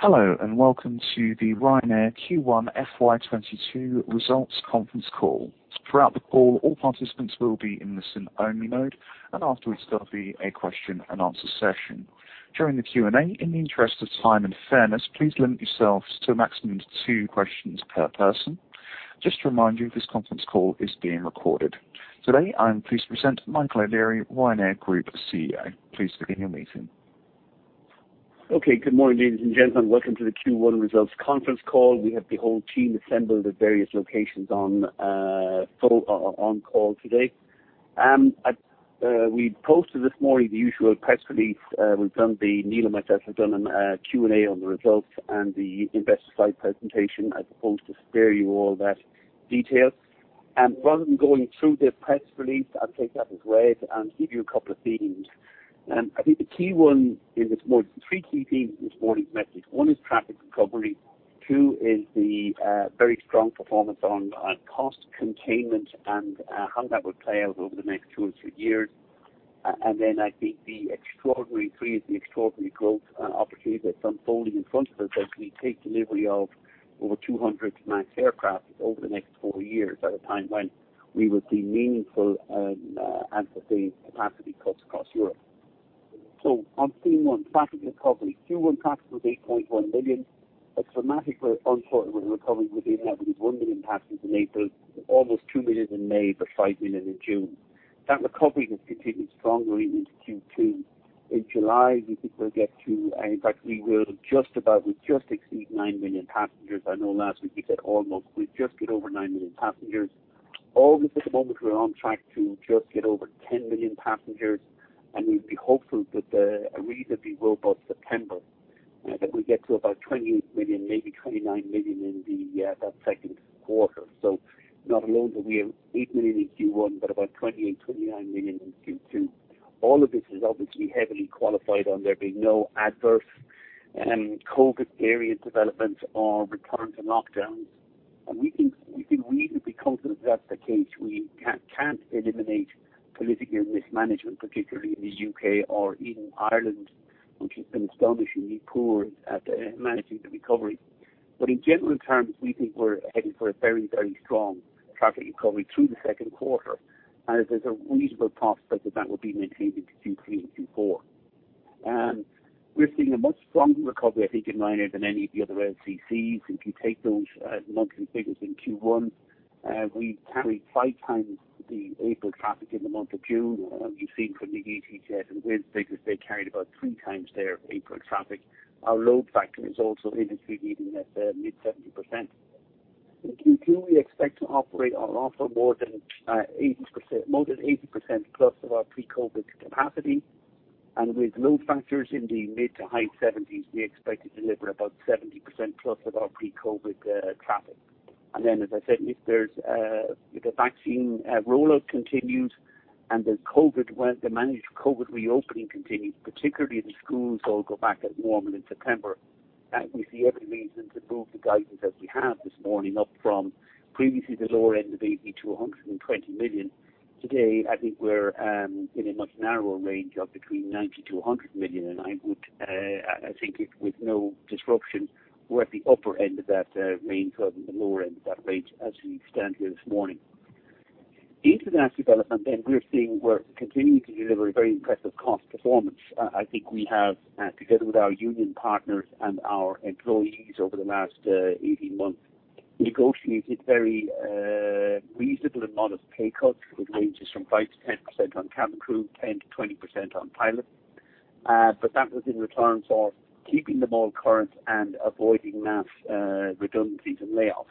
Hello, and welcome to the Ryanair Q1 FY 2022 results conference call. Throughout the call, all participants will be in listen-only mode, and afterwards, there will be a question and answer session. During the Q&A, in the interest of time and fairness, please limit yourselves to a maximum of two questions per person. Just to remind you, this conference call is being recorded. Today, I am pleased to present Michael O'Leary, Ryanair Group CEO. Please begin your meeting. Okay. Good morning, ladies and gentlemen. Welcome to the Q1 results conference call. We have the whole team assembled at various locations on call today. We posted this morning the usual press release. Neil and myself have done a Q&A on the results and the investor slide presentation as opposed to spare you all that detail. Rather than going through the press release, I'll take that as read and give you a couple of themes. I think the key one is. There's more three key themes in this morning's message. One is traffic recovery, two is the very strong performance on cost containment and how that will play out over the next two or three years. I think three is the extraordinary growth opportunity that's unfolding in front of us as we take delivery of over 200 MAX aircraft over the next four years, at a time when we will see meaningful and sustained capacity cuts across Europe. On theme one, traffic recovery. Q1 traffic was 8.1 million. A dramatically uncharted recovery with a net of 1 million passengers in April, almost 2 million in May, but 5 million in June. That recovery has continued strongly into Q2. In July, in fact, we will just about, we just exceed 9 million passengers. I know last week we said almost. We just get over 9 million passengers. At the moment, we're on track to just get over 10 million passengers, we'd be hopeful that reasonably will, by September, that we get to about 28 million, maybe 29 million in that second quarter. Not alone that we have 8 million in Q1, but about 28 million, 29 million in Q2. All of this is obviously heavily qualified on there being no adverse COVID variant developments or return to lockdowns. We think we need to be confident that's the case. We can't eliminate political mismanagement, particularly in the U.K. or even Ireland, which has been astonishingly poor at managing the recovery. In general terms, we think we're heading for a very strong traffic recovery through the second quarter, and there's a reasonable prospect that will be maintained into Q3 and Q4. We're seeing a much stronger recovery, I think, in Ryanair than any of the other LCCs. If you take those monthly figures in Q1, we carried five times the April traffic in the month of June. You've seen from the IATA and Wizz Air figures, they carried about three times their April traffic. Our load factor is also industry-leading at mid-70%. In Q2, we expect to operate or offer more than 80%+ of our pre-COVID capacity. With load factors in the mid to high 70s%, we expect to deliver about 70%+ of our pre-COVID traffic. As I said, if the vaccine rollout continues and the managed COVID reopening continues, particularly the schools all go back as normal in September, we see every reason to move the guidance as we have this morning, up from previously the lower end of 80 million-120 million. Today, I think we're in a much narrower range of between 90 million-100 million. I think it with no disruption, we're at the upper end of that range rather than the lower end of that range as we stand here this morning. Into that development, we're continuing to deliver very impressive cost performance. I think we have, together with our union partners and our employees over the last 18 months, negotiated very reasonable and modest pay cuts, which ranges from 5%-10% on cabin crew, 10%-20% on pilots. That was in return for keeping them all current and avoiding mass redundancies and layoffs.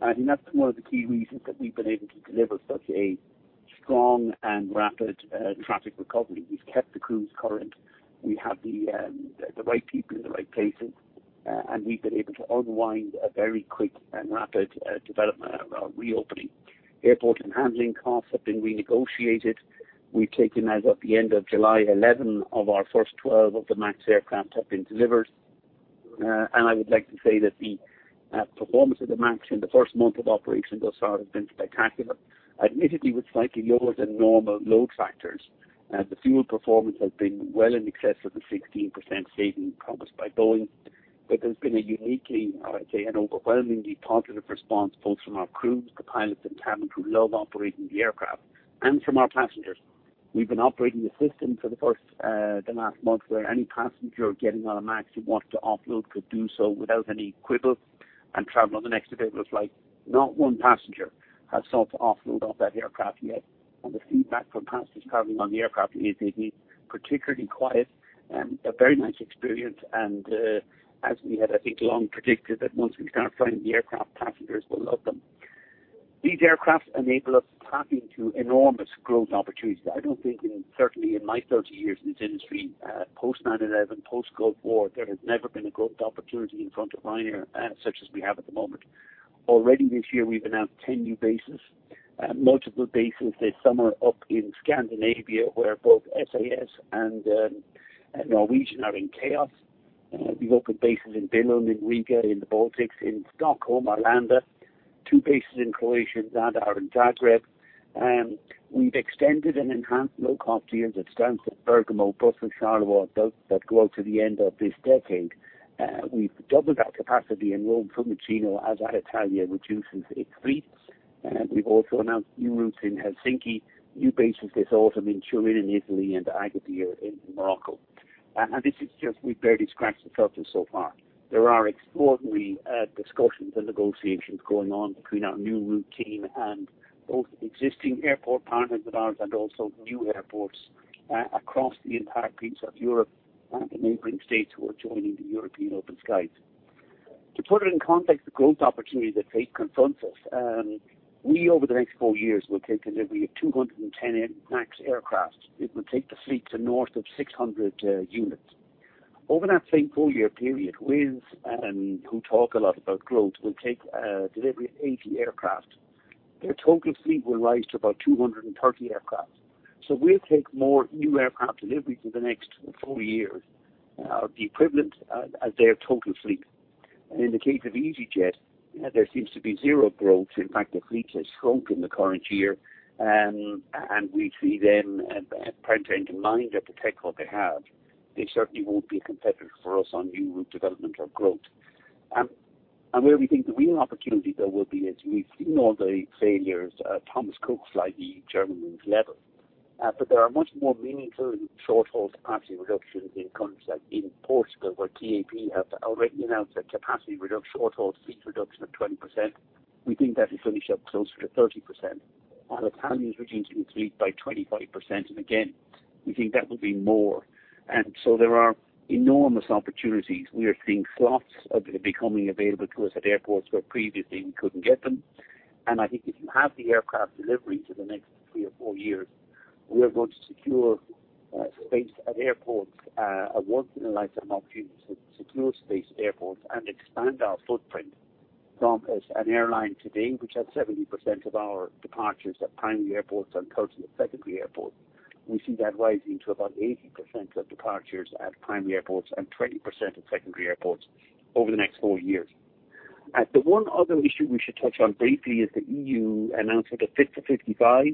I think that's one of the key reasons that we've been able to deliver such a strong and rapid traffic recovery. We've kept the crews current. We have the right people in the right places. We've been able to unwind a very quick and rapid development of our reopening. Airport and handling costs have been renegotiated. We've taken, as of the end of July, 11 of our first 12 of the MAX aircraft have been delivered. I would like to say that the performance of the MAX in the first month of operation thus far has been spectacular. Admittedly, with slightly lower than normal load factors. The fuel performance has been well in excess of the 16% saving promised by Boeing. There's been a uniquely, I'd say, an overwhelmingly positive response both from our crews, the pilots and cabin crew love operating the aircraft, and from our passengers. We've been operating a system for the last month where any passenger getting on a MAX who wants to offload could do so without any quibble and travel on the next available flight. Not one passenger has sought to offload off that aircraft yet, and the feedback from passengers traveling on the aircraft is they've been particularly quiet and a very nice experience. As we had, I think, long predicted that once we start flying the aircraft, passengers will love them. These aircraft enable us tapping to enormous growth opportunities. I don't think, certainly in my 30 years in this industry, post-9/11, post-Gulf War, there has never been a growth opportunity in front of Ryanair such as we have at the moment. Already this year, we've announced 10 new bases. Multiple bases this summer up in Scandinavia, where both SAS and Norwegian are in chaos. We've opened bases in Billund, in Riga, in the Baltics, in Stockholm, Arlanda, two bases in Croatia that are in Zagreb. We've extended and enhanced low-cost deals at Stansted, Bergamo, Brussels, Charleroi, that go out to the end of this decade. We've doubled our capacity in Rome, Fiumicino as Alitalia reduces its fleet. We've also announced new routes in Helsinki, new bases this autumn in Turin, in Italy and Agadir in Morocco. This is just, we've barely scratched the surface so far. There are extraordinary discussions and negotiations going on between our new route team and both existing airport partners of ours and also new airports across the entire piece of Europe and the neighboring states who are joining the European open skies. To put it in context, the growth opportunity that fate confronts us, we over the next four years will take delivery of 210 MAX aircraft. It will take the fleet to north of 600 units. Over that same four-year period, Wizz, who talk a lot about growth, will take delivery of 80 aircraft. Their total fleet will rise to about 230 aircraft. We'll take more new aircraft delivery for the next four years, the equivalent as their total fleet. In the case of EasyJet, there seems to be zero growth. In fact, their fleet has shrunk in the current year, and we see them, factoring into mind that they take what they have, they certainly won't be a competitor for us on new route development or growth. Where we think the real opportunity though will be is we've seen all the failures, Thomas Cook, Flybe, Germanwings, Level. There are much more meaningful short-haul capacity reductions in countries like in Portugal, where TAP have already announced a short-haul fleet reduction of 20%. We think that will finish up closer to 30%, Alitalia's reducing its fleet by 25%, and again, we think that will be more. There are enormous opportunities. We are seeing slots becoming available to us at airports where previously we couldn't get them. I think if you have the aircraft delivery for the next three or four years, we are going to secure space at airports. Once-in-a-lifetime opportunity to secure space at airports and expand our footprint from as an airline today, which has 70% of our departures at primary airports and 30% at secondary airports. We see that rising to about 80% of departures at primary airports and 20% at secondary airports over the next four years. The one other issue we should touch on briefly is the EU announcement of Fit for 55.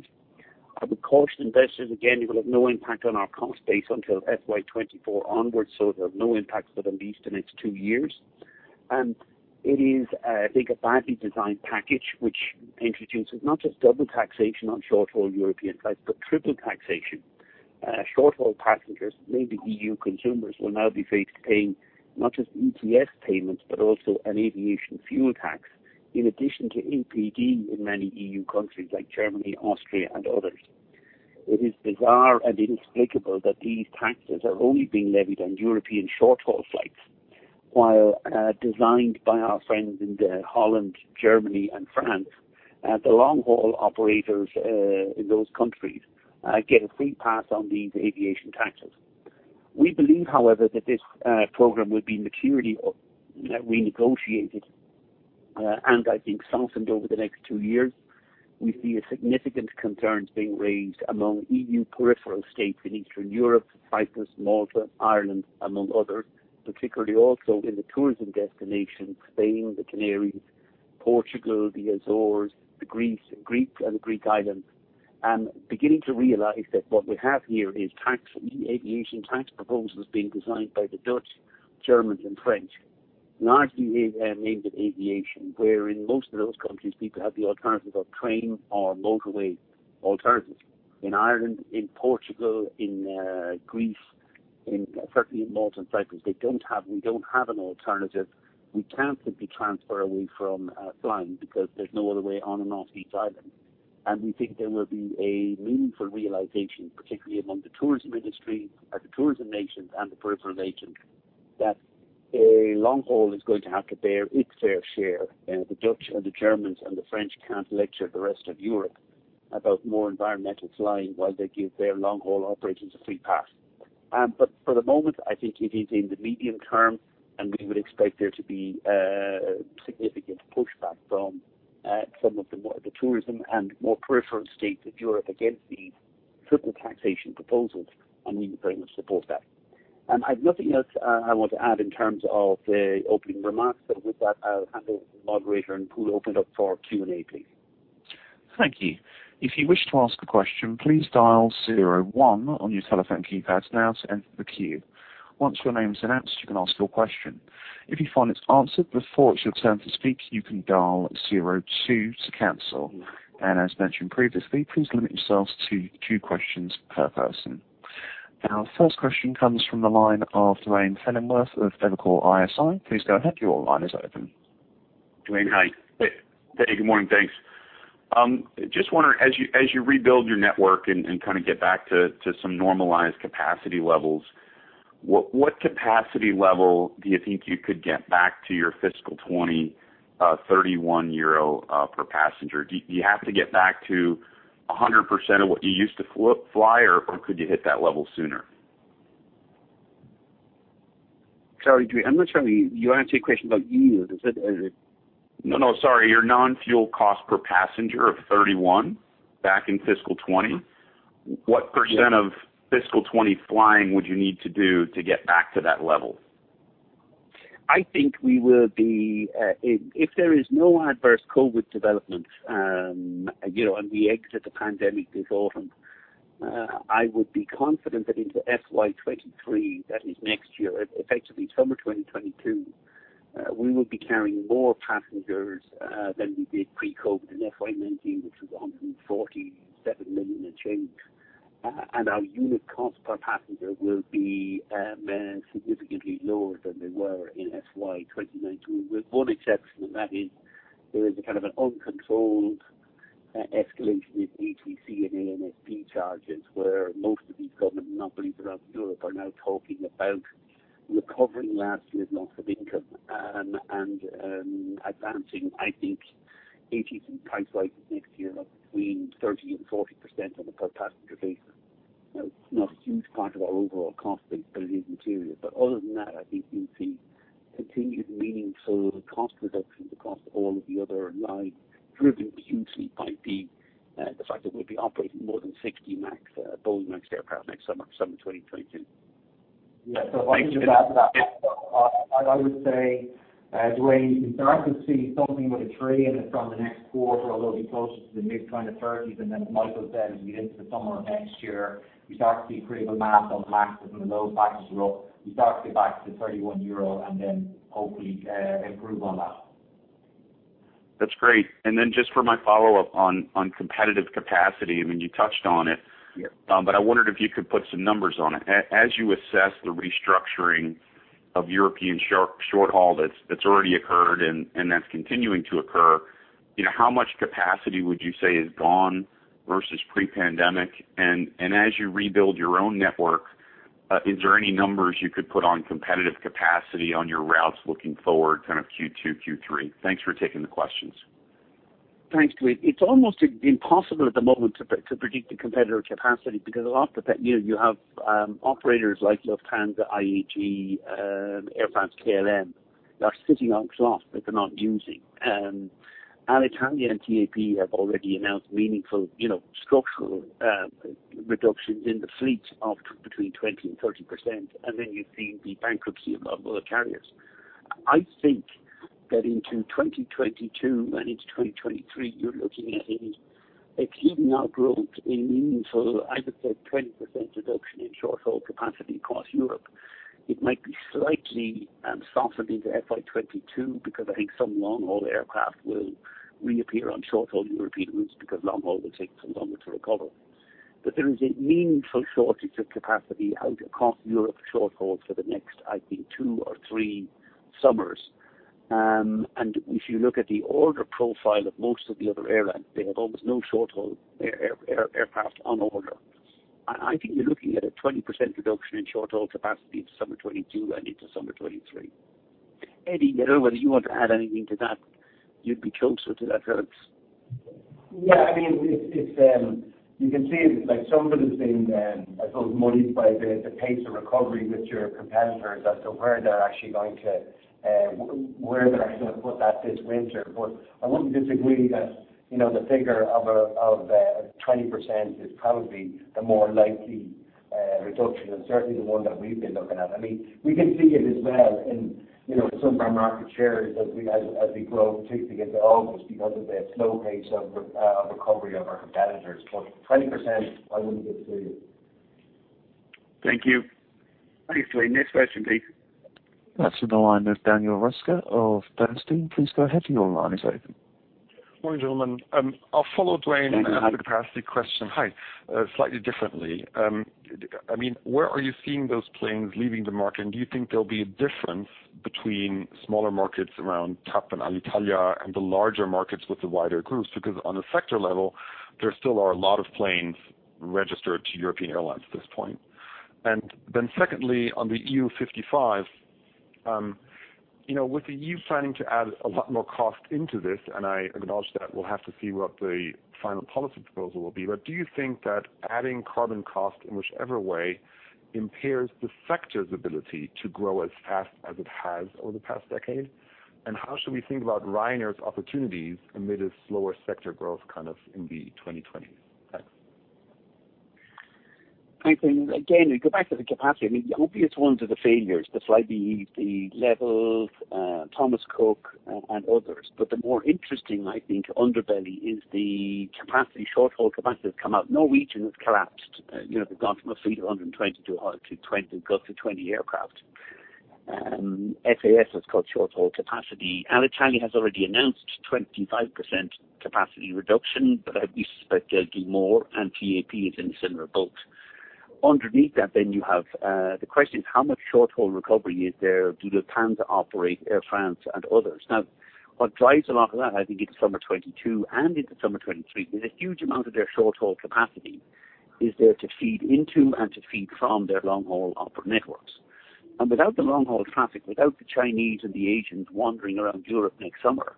I would caution investors again, it will have no impact on our cost base until FY 2024 onwards, so it will have no impact for at least the next two years. It is I think a badly designed package which introduces not just double taxation on short-haul European flights, but triple taxation. Short-haul passengers, namely EU consumers, will now be faced paying not just ETS payments, but also an aviation fuel tax, in addition to APD in many EU countries like Germany, Austria and others. It is bizarre and inexplicable that these taxes are only being levied on European short-haul flights while designed by our friends in the Holland, Germany and France. The long-haul operators in those countries get a free pass on these aviation taxes. We believe, however, that this program will be materially renegotiated, and I think softened over the next two years. We see a significant concerns being raised among EU peripheral states in Eastern Europe, Cyprus, Malta, Ireland, among others. Particularly also in the tourism destinations, Spain, the Canaries, Portugal, the Azores, the Greece, and Greek islands. Beginning to realize that what we have here is aviation tax proposals being designed by the Dutch, Germans and French, largely aimed at aviation, where in most of those countries people have the alternatives of train or motorway alternatives. In Ireland, in Portugal, in Greece, certainly in Malta and Cyprus, we don't have an alternative. We can't simply transfer away from flying because there's no other way on and off these islands. We think there will be a meaningful realization, particularly among the tourism industry or the tourism nations and the peripheral nations, that long-haul is going to have to bear its fair share. The Dutch and the Germans and the French can't lecture the rest of Europe about more environmental flying while they give their long-haul operators a free pass. For the moment, I think it is in the medium term, and we would expect there to be significant pushback from some of the more of the tourism and more peripheral states of Europe against these triple taxation proposals, and we very much support that. I have nothing else I want to add in terms of the opening remarks, but with that, I'll hand over to the moderator and we'll open it up for Q&A, please. Our first question comes from the line of Duane Pfennigwerth of Evercore ISI. Please go ahead. Your line is open. Duane, hi. Good morning, thanks. Just wondering, as you rebuild your network and kind of get back to some normalized capacity levels, what capacity level do you think you could get back to your fiscal 2020 31 euro per passenger? Do you have to get back to 100% of what you used to fly, or could you hit that level sooner? Sorry, Duane, I'm not sure you're asking a question about euros, is it? Sorry, your non-fuel cost per passenger of 31 back in FY 2020. What percent of FY 2020 flying would you need to do to get back to that level? I think if there is no adverse COVID development, and we exit the pandemic this autumn, I would be confident that into FY 2023, that is next year, effectively summer 2022, we will be carrying more passengers than we did pre-COVID in FY 2019, which was 147 million and change. Our unit cost per passenger will be significantly lower than they were in FY 2019 with one exception, that is, there is a kind of an uncontrolled escalation in ATC and ANSP charges, where most of these government monopolies around Europe are now talking about recovering last year's loss of income and advancing, I think, ATC price rises next year of between 30% and 40% on a per passenger basis. It's not a huge part of our overall cost base, but it is material. Other than that, I think you'll see continued meaningful cost reductions across all of the other lines, driven hugely by the fact that we'll be operating more than 60 Boeing MAX aircraft next summer of 2022. Yeah. If I can just add to that. Yes. I would say, Duane, you can start to see something with a three in it from the next quarter, although it will be closer to the mid 30s. As Michael said, as we get into the summer of next year, we start to see a critical mass on the MAX. When those factors are up, we start to be back to 31 euro and then hopefully improve on that. That's great. Then just for my follow-up on competitive capacity. I mean, you touched on it. Yeah. I wondered if you could put some numbers on it. As you assess the restructuring of European short haul that's already occurred and that's continuing to occur, how much capacity would you say is gone versus pre-pandemic? As you rebuild your own network, is there any numbers you could put on competitive capacity on your routes looking forward kind of Q2, Q3? Thanks for taking the questions. Thanks, Duane. It's almost impossible at the moment to predict the competitor capacity because a lot of the You have operators like Lufthansa, IAG, Air France-KLM, that are sitting on aircraft that they're not using. Alitalia and TAP have already announced meaningful structural reductions in the fleet of between 20% and 30%, and then you've seen the bankruptcy of other carriers. I think that into 2022 and into 2023, you're looking at a, excluding our growth, a meaningful, I would say 20% reduction in short-haul capacity across Europe. It might be slightly softened into FY 2022 because I think some long-haul aircraft will reappear on short-haul European routes because long-haul will take some longer to recover. There is a meaningful shortage of capacity out across Europe short haul for the next, I think two or three summers. If you look at the order profile of most of the other airlines, they have almost no short-haul aircraft on order. I think you're looking at a 20% reduction in short-haul capacity into summer 2022 and into summer 2023. Eddie, I don't know whether you want to add anything to that. You'd be closer to that perhaps. Yeah, you can see it's like some of it has been, I suppose, muddied by the pace of recovery with your competitors as to where they're actually going to put that this winter. I wouldn't disagree that the figure of 20% is probably the more likely reduction, and certainly the one that we've been looking at. We can see it as well in some of our market shares as we grow particularly into August because of the slow pace of recovery of our competitors. 20%, I wouldn't disagree. Thank you. Thanks, Duane. Next question please. Next on the line is Daniel Roeska of Bernstein. Please go ahead. Your line is open. Morning, gentlemen. I'll follow Duane on the capacity question. Hi. Slightly differently. Where are you seeing those planes leaving the market? Do you think there'll be a difference between smaller markets around TAP and Alitalia and the larger markets with the wider groups? On a sector level, there still are a lot of planes registered to European airlines at this point. Secondly, on the EU 55, with the EU planning to add a lot more cost into this, and I acknowledge that we'll have to see what the final policy proposal will be. Do you think that adding carbon cost in whichever way impairs the sector's ability to grow as fast as it has over the past decade? How should we think about Ryanair's opportunities amid a slower sector growth kind of in the 2020s? Thanks. Thanks. Again, you go back to the capacity. The obvious ones are the failures, the Flybe, the Level, Thomas Cook, and others. The more interesting, I think, underbelly is the short-haul capacity that's come out. Norwegian has collapsed. They've gone from a fleet of 120 to close to 20 aircraft. SAS has cut short-haul capacity. Alitalia has already announced 25% capacity reduction, I'd suspect they'll do more, TAP is in a similar boat. Underneath that you have the question is, how much short-haul recovery is there? Do Lufthansa operate Air France and others? What drives a lot of that, I think into summer 2022 and into summer 2023, is a huge amount of their short-haul capacity is there to feed into and to feed from their long-haul hub networks. Without the long-haul traffic, without the Chinese and the Asians wandering around Europe next summer,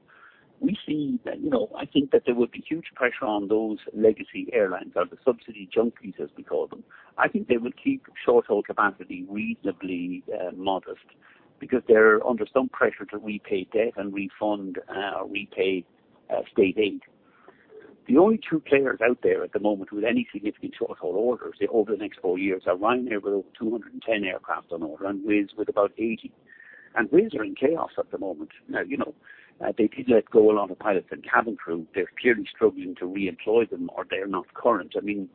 I think that there will be huge pressure on those legacy airlines or the subsidy junkies, as we call them. I think they will keep short-haul capacity reasonably modest because they're under some pressure to repay debt and refund or repay state aid. The only two players out there at the moment with any significant short-haul orders over the next four years are Ryanair with over 210 aircraft on order and Wizz with about 80. Wizz are in chaos at the moment. They did let go a lot of pilots and cabin crew. They're clearly struggling to reemploy them, or they're not current. In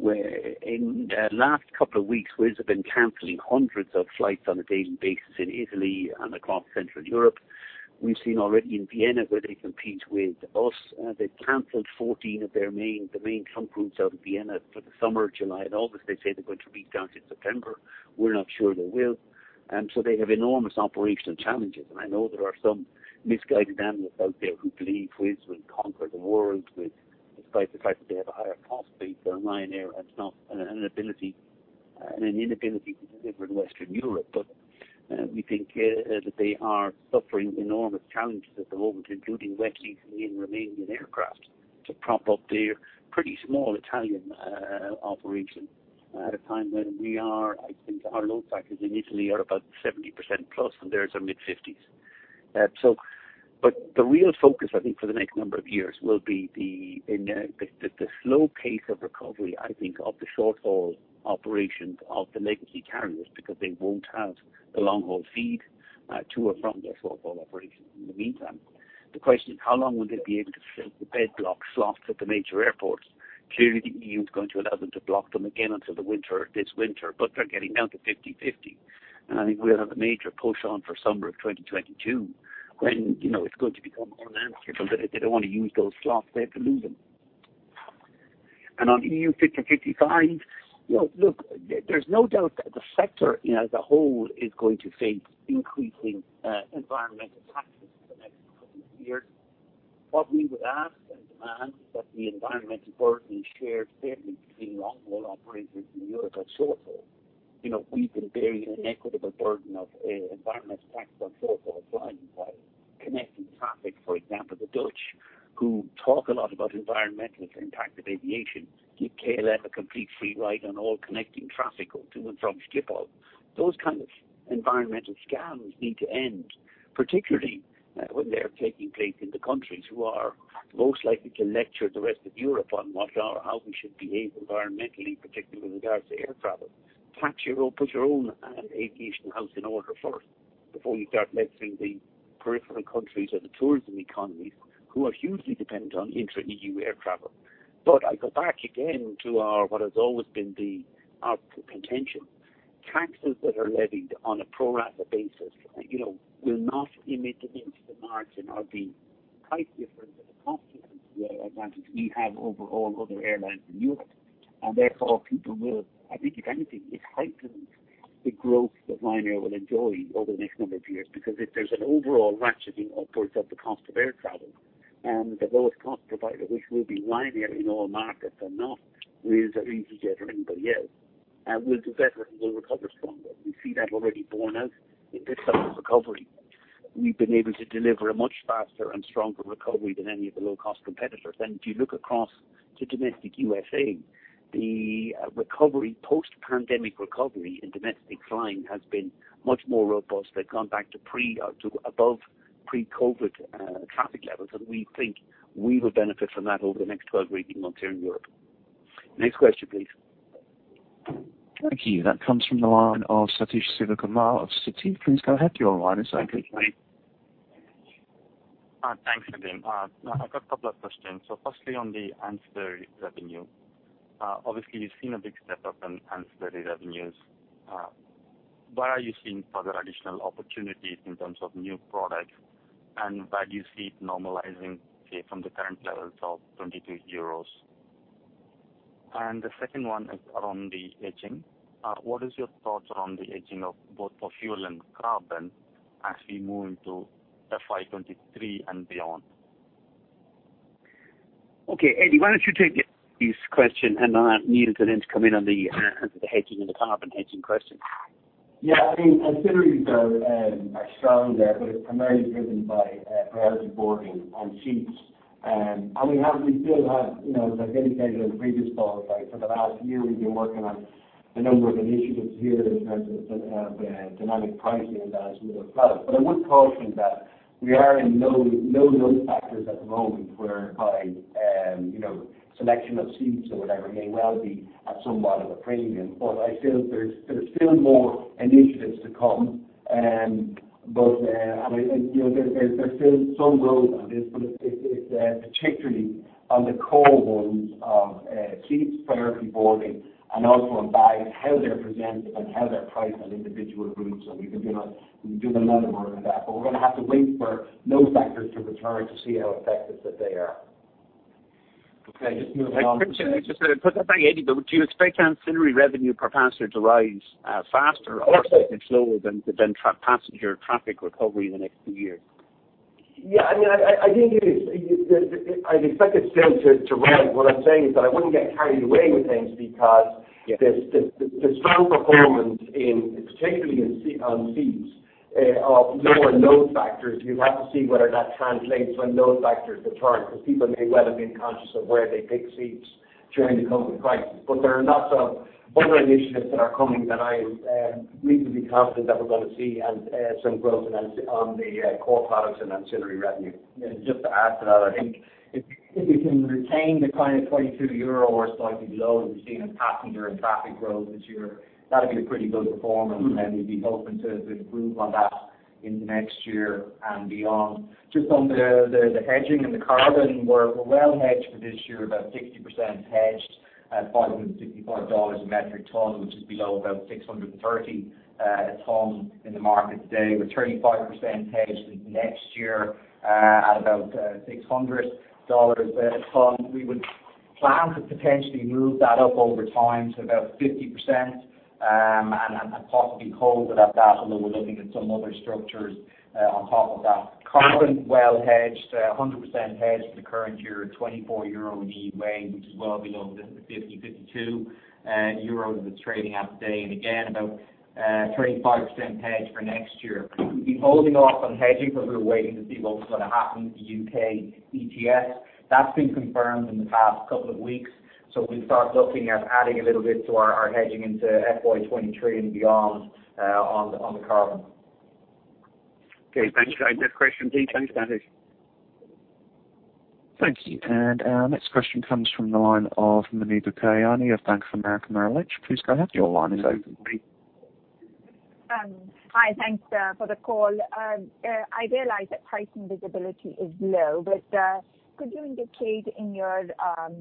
the last couple of weeks, Wizz have been canceling hundreds of flights on a daily basis in Italy and across Central Europe. We've seen already in Vienna, where they compete with us, they've canceled 14 of their main trunk routes out of Vienna for the summer, July and August. They say they're going to restart in September. We're not sure they will. They have enormous operational challenges. I know there are some misguided analysts out there who believe Wizz will conquer the world, despite the fact that they have a higher cost base than Ryanair and an inability to deliver in Western Europe. We think that they are suffering enormous challenges at the moment, including wet leasing in Romanian aircraft to prop up their pretty small Italian operation at a time when we are, I think our load factors in Italy are about 70%+, and theirs are mid-50s. The real focus, I think, for the next number of years will be the slow pace of recovery, I think, of the short-haul operations of the legacy carriers because they won't have the long-haul feed to or from their short-haul operations in the meantime. The question is, how long will they be able to fill the bed block slots at the major airports? Clearly, the EU is going to allow them to block them again until this winter, but they're getting down to 50/50. I think we'll have a major push on for summer of 2022 when it's going to become more noticeable that if they don't want to use those slots, they have to lose them. On EU Fit for 55, look, there's no doubt that the sector as a whole is going to face increasing environmental taxes in the next couple of years. What we would ask and demand is that the environmental burden is shared fairly between long-haul operators in Europe and short-haul. We've been bearing an equitable burden of environmental tax on short-haul flying while connecting traffic, for example, the Dutch, who talk a lot about environmental impact of aviation, give KLM a complete free ride on all connecting traffic going to and from Schiphol. Those kind of environmental scams need to end, particularly when they're taking place in the countries who are most likely to lecture the rest of Europe on how we should behave environmentally, particularly with regards to air travel. Put your own aviation house in order first before you start lecturing the peripheral countries or the tourism economies who are hugely dependent on intra-EU air travel. I go back again to what has always been our contention. Taxes that are levied on a pro-rata basis will not immediately impact the margin or the price difference or the cost difference we have over all other airlines in Europe. Therefore, people will, I think if anything, it heightens the growth that Ryanair will enjoy over the next number of years, because if there's an overall ratcheting upwards of the cost of air travel, the lowest cost provider, which will be Ryanair in all markets and not Wizz or EasyJet or anybody else, will do better and will recover stronger. We see that already borne out in this summer's recovery. We've been able to deliver a much faster and stronger recovery than any of the low-cost competitors. If you look across to domestic U.S.A., the post-pandemic recovery in domestic flying has been much more robust. They've gone back to above pre-COVID traffic levels, and we think we will benefit from that over the next 12 repeating months here in Europe. Next question, please. Thank you. That comes from the line of Sathish Sivakumar of Citi. Please go ahead. Your line is open. Thanks. I've got a couple of questions. Firstly, on the ancillary revenue. Obviously, you've seen a big step-up in ancillary revenues. Where are you seeing further additional opportunities in terms of new products? Where do you see it normalizing from the current levels of 22 euros? The second one is around the hedging. What is your thoughts around the hedging of both for fuel and carbon as we move into FY 2023 and beyond? Okay. Eddie, why don't you take Sathish's question, and then Neil can then come in on the ancillary, the hedging and the carbon hedging question. Ancillaries are strong there. It's primarily driven by priority boarding on seats. As I indicated in previous calls, for the last year, we've been working on a number of initiatives here in terms of dynamic pricing and as with other products. I would caution that we are in low load factors at the moment whereby selection of seats or whatever may well be at somewhat of a premium. I feel there's still more initiatives to come. There's still some road on this, but it's particularly on the core ones of seats priority boarding and also on bags, how they're presented and how they're priced on individual routes. We've been doing a lot of work on that. We're going to have to wait for load factors to return to see how effective that they are. Just to put that back, Eddie, though, do you expect ancillary revenue per passenger to rise faster or slightly slower than passenger traffic recovery in the next few years? Yeah. I think it is. I'd expect it still to rise. What I'm saying is that I wouldn't get carried away with things because the strong performance particularly on seats of lower load factors, you have to see whether that translates when load factors return, because people may well have been conscious of where they pick seats During the COVID crisis. There are lots of other initiatives that are coming that I am reasonably confident that we're going to see some growth on the core products and ancillary revenue. Just to add to that, I think if we can retain the kind of 22 euro or slightly below that we have seen in passenger and traffic growth this year, that would be a pretty good performance, and we would be hoping to improve on that in the next year and beyond. Just on the hedging and the carbon, we are well hedged for this year, about 60% hedged at $555 a metric ton, which is below about $630 a ton in the market today. We are 35% hedged into next year, at about $600 a ton. We would plan to potentially move that up over time to about 50%, and possibly hold it at that, although we are looking at some other structures on top of that. Carbon, well hedged. 100% hedged for the current year at 24 euro in the EUA, which is well below the 50 euro, 52 euros that it is trading at today. Again, about 35% hedged for next year. We've been holding off on hedging because we're waiting to see what was going to happen with the U.K. ETS. That's been confirmed in the past couple of weeks. We'll start looking at adding a little bit to our hedging into FY 2023 and beyond on the carbon. Okay. Thanks, guys. Next question please. Thanks, David. Thank you. Our next question comes from the line of Muneeba Kayani of Bank of America Merrill Lynch. Please go ahead. Your line is open, please. Hi. Thanks for the call. I realize that pricing visibility is low, but could you indicate in your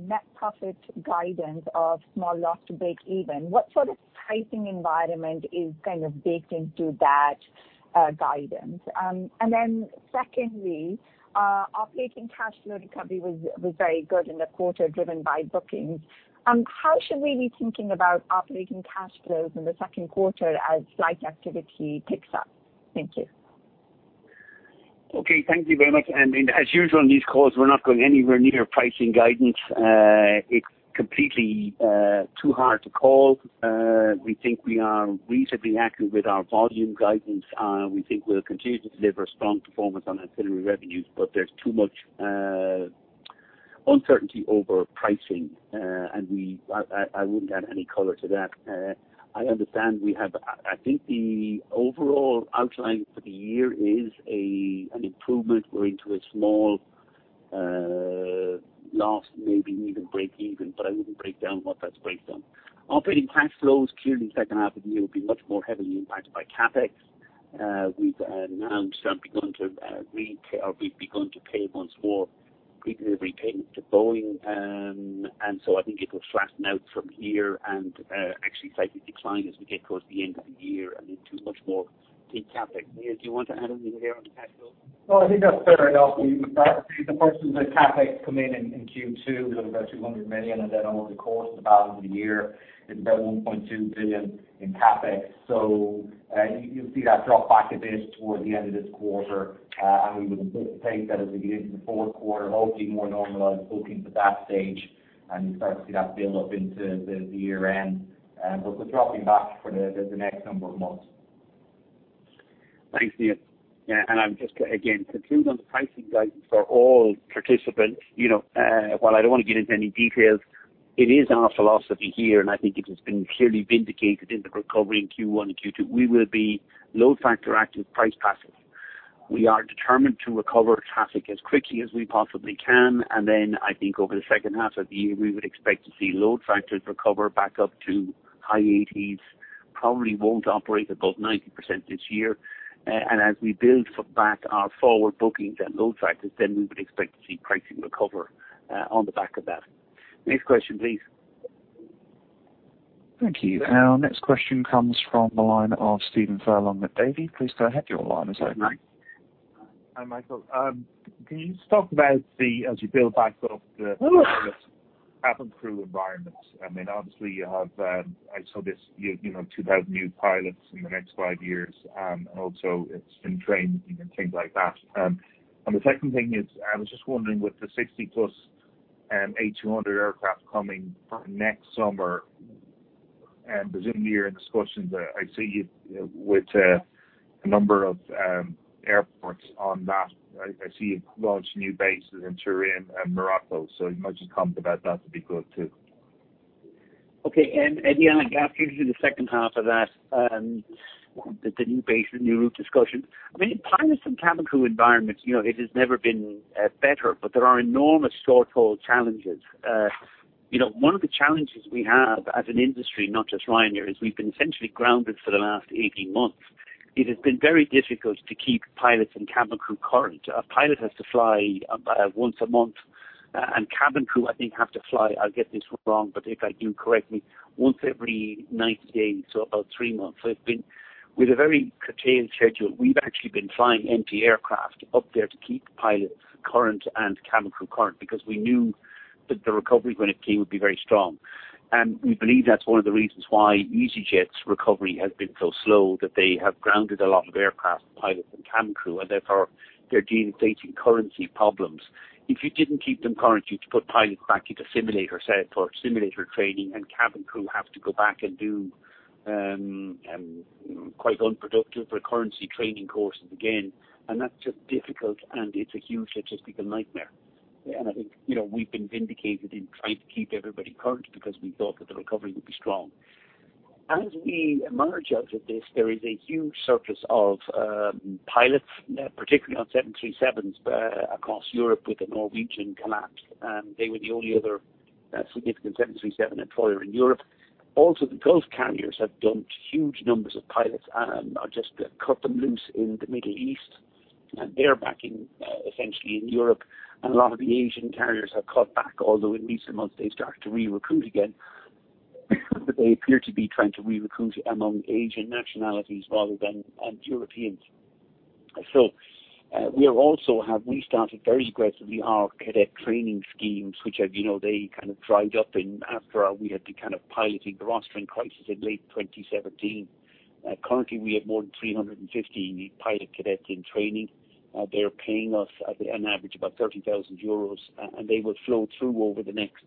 net profit guidance of small loss to break even, what sort of pricing environment is kind of baked into that guidance? Secondly, operating cash flow recovery was very good in the quarter, driven by bookings. How should we be thinking about operating cash flows in the second quarter as flight activity picks up? Thank you. Thank you very much. As usual on these calls, we're not going anywhere near pricing guidance. It's completely too hard to call. We think we are reasonably accurate with our volume guidance. We think we'll continue to deliver strong performance on ancillary revenues, there's too much uncertainty over pricing. I wouldn't add any color to that. I think the overall outline for the year is an improvement. We're into a small loss, maybe even break even, I wouldn't break down what that's based on. Operating cash flows clearly in the second half of the year will be much more heavily impacted by CapEx. We've announced that we've begun to pay once more pre-delivery payments to Boeing. I think it'll flatten out from here and actually slightly decline as we get towards the end of the year. I mean, too much more big CapEx. Neil, do you want to add anything there on the cash flow? Well, I think that's fair enough. The bulk of the CapEx come in in Q2. There was about 200 million, and then over the course of the balance of the year, it's about 1.2 billion in CapEx. You'll see that drop back a bit toward the end of this quarter. We would anticipate that as we get into the fourth quarter, it'll all be more normalized booking for that stage, and you'll start to see that build up into the year-end. We're dropping back for the next number of months. Thanks, Neil. Yeah, just again, to conclude on the pricing guidance for all participants. While I don't want to get into any details, it is our philosophy here, and I think it has been clearly vindicated in the recovery in Q1 and Q2. We will be load factor active price passive. We are determined to recover traffic as quickly as we possibly can, then I think over the second half of the year, we would expect to see load factors recover back up to high 80s%. Probably won't operate above 90% this year. As we build back our forward bookings and load factors, then we would expect to see pricing recover on the back of that. Next question please. Thank you. Our next question comes from the line of Stephen Furlong with Davy. Please go ahead. Your line is open. Hi, Michael. Can you just talk about the, as you build back up the cabin crew environment. I mean, obviously you have I saw this, 2,000 new pilots in the next five years. Also it's been training and things like that. The second thing is, I was just wondering with the 60+ [MAX] aircraft coming for next summer, presuming you're in discussions, I see you with a number of airports on that. I see you've launched new bases in Turin and Morocco, if you might just comment about that would be good too. Okay. I'll give you the second half of that. The new base and new route discussion. I mean, in pilots and cabin crew environments, it has never been better, but there are enormous shortfall challenges. One of the challenges we have as an industry, not just Ryanair, is we've been essentially grounded for the last 18 months. It has been very difficult to keep pilots and cabin crew current. A pilot has to fly about once a month, and cabin crew, I think have to fly, I'll get this wrong, but if I do, correct me, once every 90 days, about three months. It's been with a very curtailed schedule. We've actually been flying empty aircraft up there to keep pilots current and cabin crew current because we knew that the recovery, when it came, would be very strong. We believe that's one of the reasons why EasyJet's recovery has been so slow, that they have grounded a lot of aircraft pilots and cabin crew, and therefore they're dealing with recurrency problems. If you didn't keep them current, you'd put pilots back into simulator training and cabin crew have to go back and do quite unproductive recurrency training courses again, and that's just difficult, and it's a huge logistical nightmare. I think we've been vindicated in trying to keep everybody current because we thought that the recovery would be strong. As we emerge out of this, there is a huge surplus of pilots, particularly on 737s across Europe with the Norwegian collapse. They were the only other significant 737 employer in Europe. Also, the Gulf carriers have dumped huge numbers of pilots and just cut them loose in the Middle East. They're backing essentially in Europe. A lot of the Asian carriers have cut back, although in recent months they've started to re-recruit again. They appear to be trying to re-recruit among Asian nationalities rather than Europeans. We also have restarted very aggressively our cadet training schemes, which have dried up after we had been piloting the rostering crisis in late 2017. Currently, we have more than 350 pilot cadets in training. They're paying us on average about 30,000 euros, and they will flow through over the next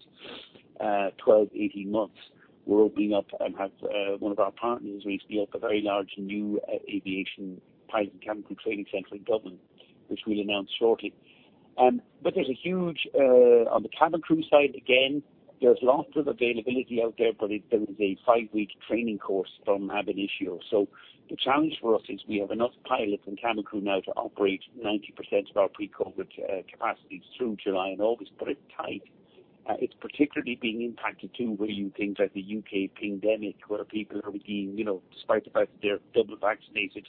12-18 months. We're opening up and have one of our partners, we feel, a very large new aviation pilot cabin crew training center in Dublin, which we'll announce shortly. There's a huge on the cabin crew side, again, there's lots of availability out there, but there is a five-week training course from Ab Initio. The challenge for us is we have enough pilots and cabin crew now to operate 90% of our pre-COVID capacities through July and August, but it's tight. It's particularly being impacted too where you think like the U.K. pandemic, where people are being, despite the fact that they're double vaccinated,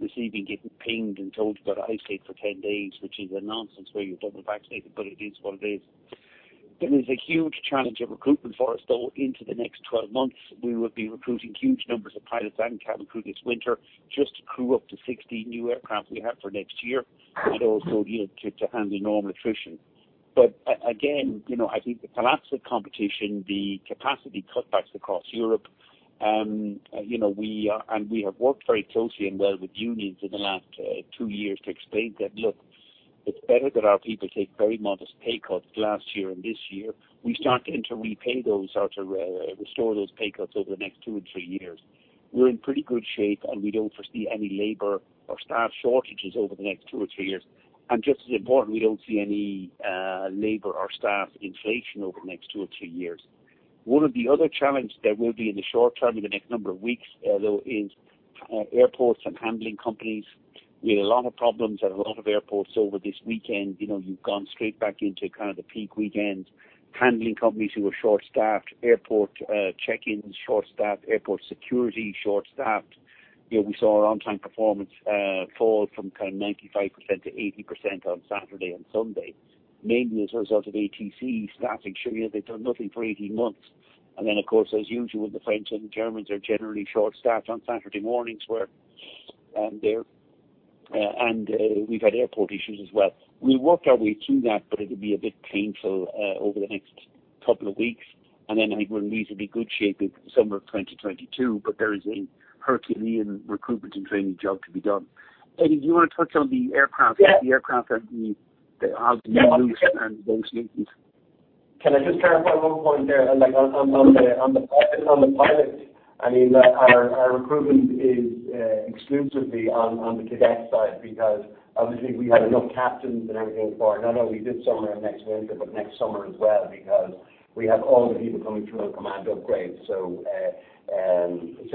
getting pinged and told you've got to isolate for 10 days, which is a nonsense where you're double vaccinated, but it is what it is. There is a huge challenge of recruitment for us, though, into the next 12 months. We will be recruiting huge numbers of pilots and cabin crew this winter just to crew up to 60 new aircraft we have for next year, and also to handle normal attrition. Again, I think the collapse of competition, the capacity cutbacks across Europe, we have worked very closely and well with unions in the last two years to explain that, look, it's better that our people take very modest pay cuts last year and this year. We're starting to repay those or to restore those pay cuts over the next two or three years. We're in pretty good shape, we don't foresee any labor or staff shortages over the next two or three years. Just as important, we don't see any labor or staff inflation over the next two or three years. One of the other challenge there will be in the short term, in the next number of weeks, though, is airports and handling companies. We had a lot of problems at a lot of airports over this weekend. You've gone straight back into kind of the peak weekend. Handling companies who were short-staffed. Airport check-ins short-staffed. Airport security short-staffed. We saw our on-time performance fall from 95%-80% on Saturday and Sunday, mainly as a result of ATC staffing. Sure, they've done nothing for 18 months. Then, of course, as usual, the French and Germans are generally short-staffed on Saturday mornings. We've had airport issues as well. We'll work our way through that, but it'll be a bit painful over the next couple of weeks. Then I think we're in reasonably good shape into the summer of 2022, but there is a Herculean recruitment and training job to be done. Eddie, do you want to touch on the aircraft? Yeah. The aircraft and the. Yeah. How the new routes and those linkages. Can I just clarify one point there? On the pilot, our recruitment is exclusively on the cadet side because obviously we have enough captains and everything for not only this summer and next winter, but next summer as well, because we have all the people coming through on command upgrades. It's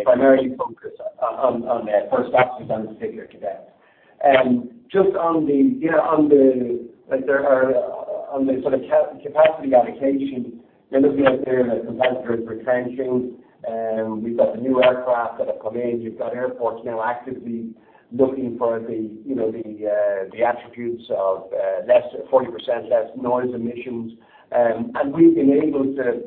a primary focus on first officers and particular cadets. Just on the capacity allocation, you're looking out there and the competitors retrenching. We've got the new aircraft that have come in. You've got airports now actively looking for the attributes of 40% less noise emissions, and we've been able to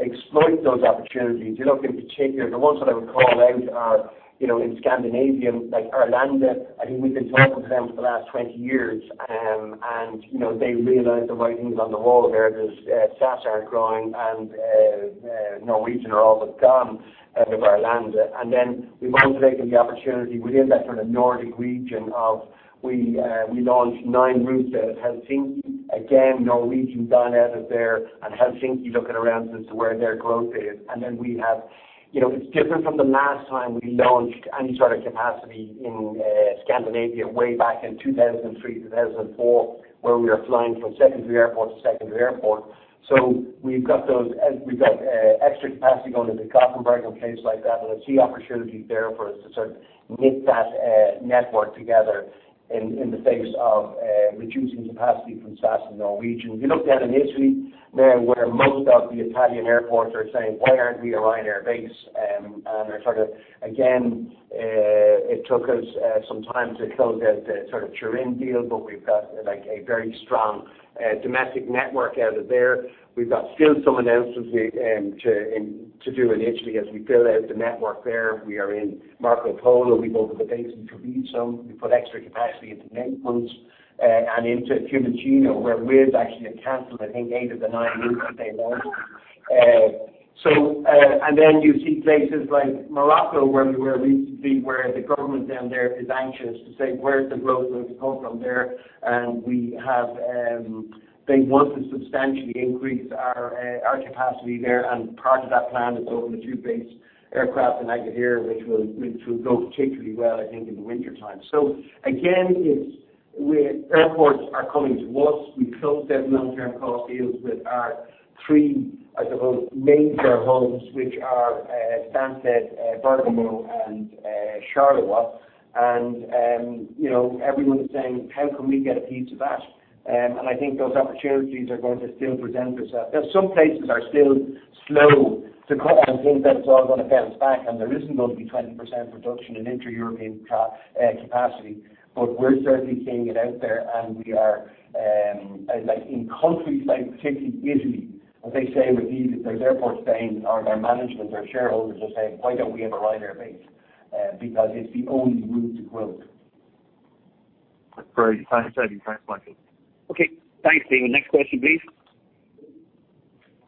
exploit those opportunities. If you look in particular, the ones that I would call out are in Scandinavia, like Arlanda. I think we've been talking to them for the last 20 years, and they realize the writing's on the wall there. SAS aren't growing, Norwegian are all but gone out of Arlanda. We've manipulated the opportunity within that sort of Nordic region of we launched nine routes out of Helsinki. Again, Norwegian gone out of there, Helsinki looking around as to where their growth is. It's different from the last time we launched any sort of capacity in Scandinavia way back in 2003, 2004, where we were flying from secondary airport to secondary airport. We've got extra capacity going into Gothenburg and places like that. I see opportunities there for us to sort of knit that network together in the face of reducing capacity from SAS and Norwegian. If you look down in Italy, where most of the Italian airports are saying, "Why aren't we a Ryanair base?" Are sort of, again, it took us some time to close out the sort of Turin deal, but we've got a very strong domestic network out of there. We've got still some announcements to do in Italy as we build out the network there. We are in Marco Polo. We've opened a base in Turin. We put extra capacity into Naples and into Ciampino, where Wizz actually had canceled, I think, eight of the nine routes that they launched. You see places like Morocco where we were recently, where the government down there is anxious to say, "Where's the growth going to come from there?" They want to substantially increase our capacity there, and part of that plan is opening two base aircraft in Agadir, which will go particularly well, I think, in the wintertime. Again, it's. Airports are coming to us. We closed seven long-term deals with our three, I suppose, major hubs, which are Stansted, Bergamo, and Charleroi. Everyone's saying, "How can we get a piece of that?" I think those opportunities are going to still present themselves. Now, some places are still slow to come on board and think that it's all going to bounce back, and there isn't going to be 20% reduction in inter-European capacity. We're certainly seeing it out there, and we are in countries like particularly Italy, as they say with ease. Their airports saying, or their management, their shareholders are saying, "Why don't we have a Ryanair base?" Because it's the only room to grow. Great. Thanks Eddie. Thanks Michael. Okay. Thanks, Stephen. Next question, please.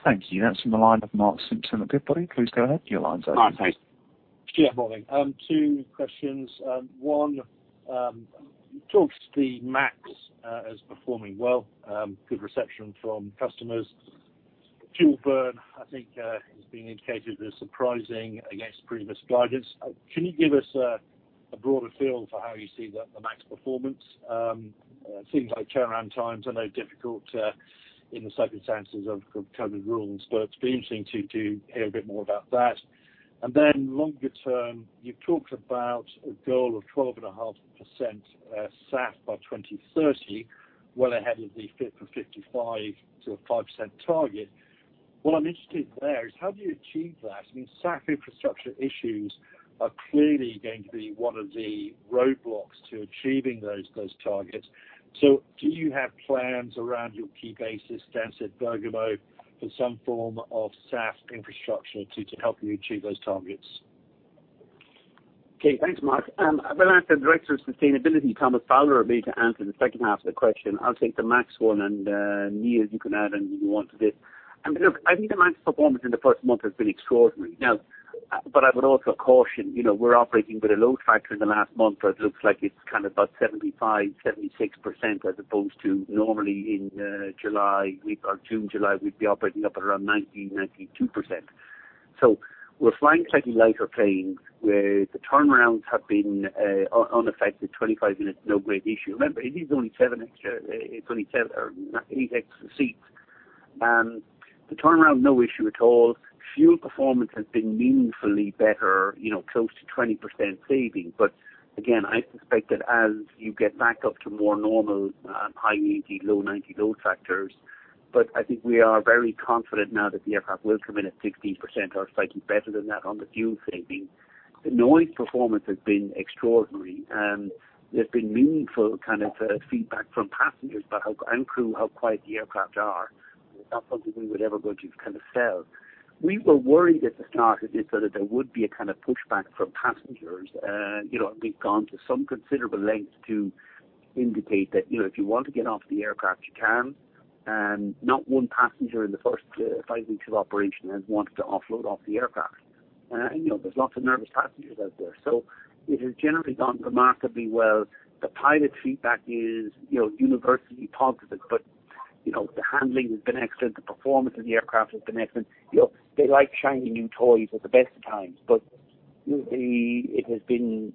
Thank you. That's from the line of Mark Simpson at Goodbody. Please go ahead. Your line's open. Mark, hey. Morning. Two questions. One, you talked the MAX as performing well, good reception from customers. Fuel burn, I think, has been indicated as surprising against previous guidance. Can you give us a broader feel for how you see the MAX performance? Things like turnaround times, I know difficult in the circumstances of COVID rules, but it'd be interesting to hear a bit more about that. Longer term, you've talked about a goal of 12.5% SAF by 2030, well ahead of the Fit for 55 to a 5% target. What I'm interested there is how do you achieve that? SAF infrastructure issues are clearly going to be one of the roadblocks to achieving those targets. Do you have plans around your key bases, Stansted, Bergamo, for some form of SAF infrastructure to help you achieve those targets? Okay. Thanks, Mark. I'm going to ask the director of sustainability, Thomas Fowler, maybe to answer the second half of the question. I'll take the MAX one, and Neil, you can add in if you want to this. Look, I think the MAX performance in the first month has been extraordinary. I would also caution, we're operating with a load factor in the last month where it looks like it's kind of about 75%-76%, as opposed to normally in June, July, we'd be operating up at around 90%-92%. We're flying slightly lighter planes where the turnarounds have been unaffected, 25 minutes, no great issue. Remember, it is only eight extra seats. The turnaround, no issue at all. Fuel performance has been meaningfully better, close to 20% savings. Again, I suspect that as you get back up to more normal high 80, low 90 load factors. I think we are very confident now that the aircraft will come in at 16% or slightly better than that on the fuel savings. The noise performance has been extraordinary. There's been meaningful kind of feedback from passengers about how, and crew, how quiet the aircraft are. It's not something we would ever go to kind of sell. We were worried at the start that there would be a kind of pushback from passengers. We've gone to some considerable length to indicate that if you want to get off the aircraft, you can. Not one passenger in the first five weeks of operation has wanted to offload off the aircraft. There's lots of nervous passengers out there. It has generally gone remarkably well. The pilot feedback is universally positive. The handling has been excellent. The performance of the aircraft has been excellent. They like shiny new toys at the best of times, but it has been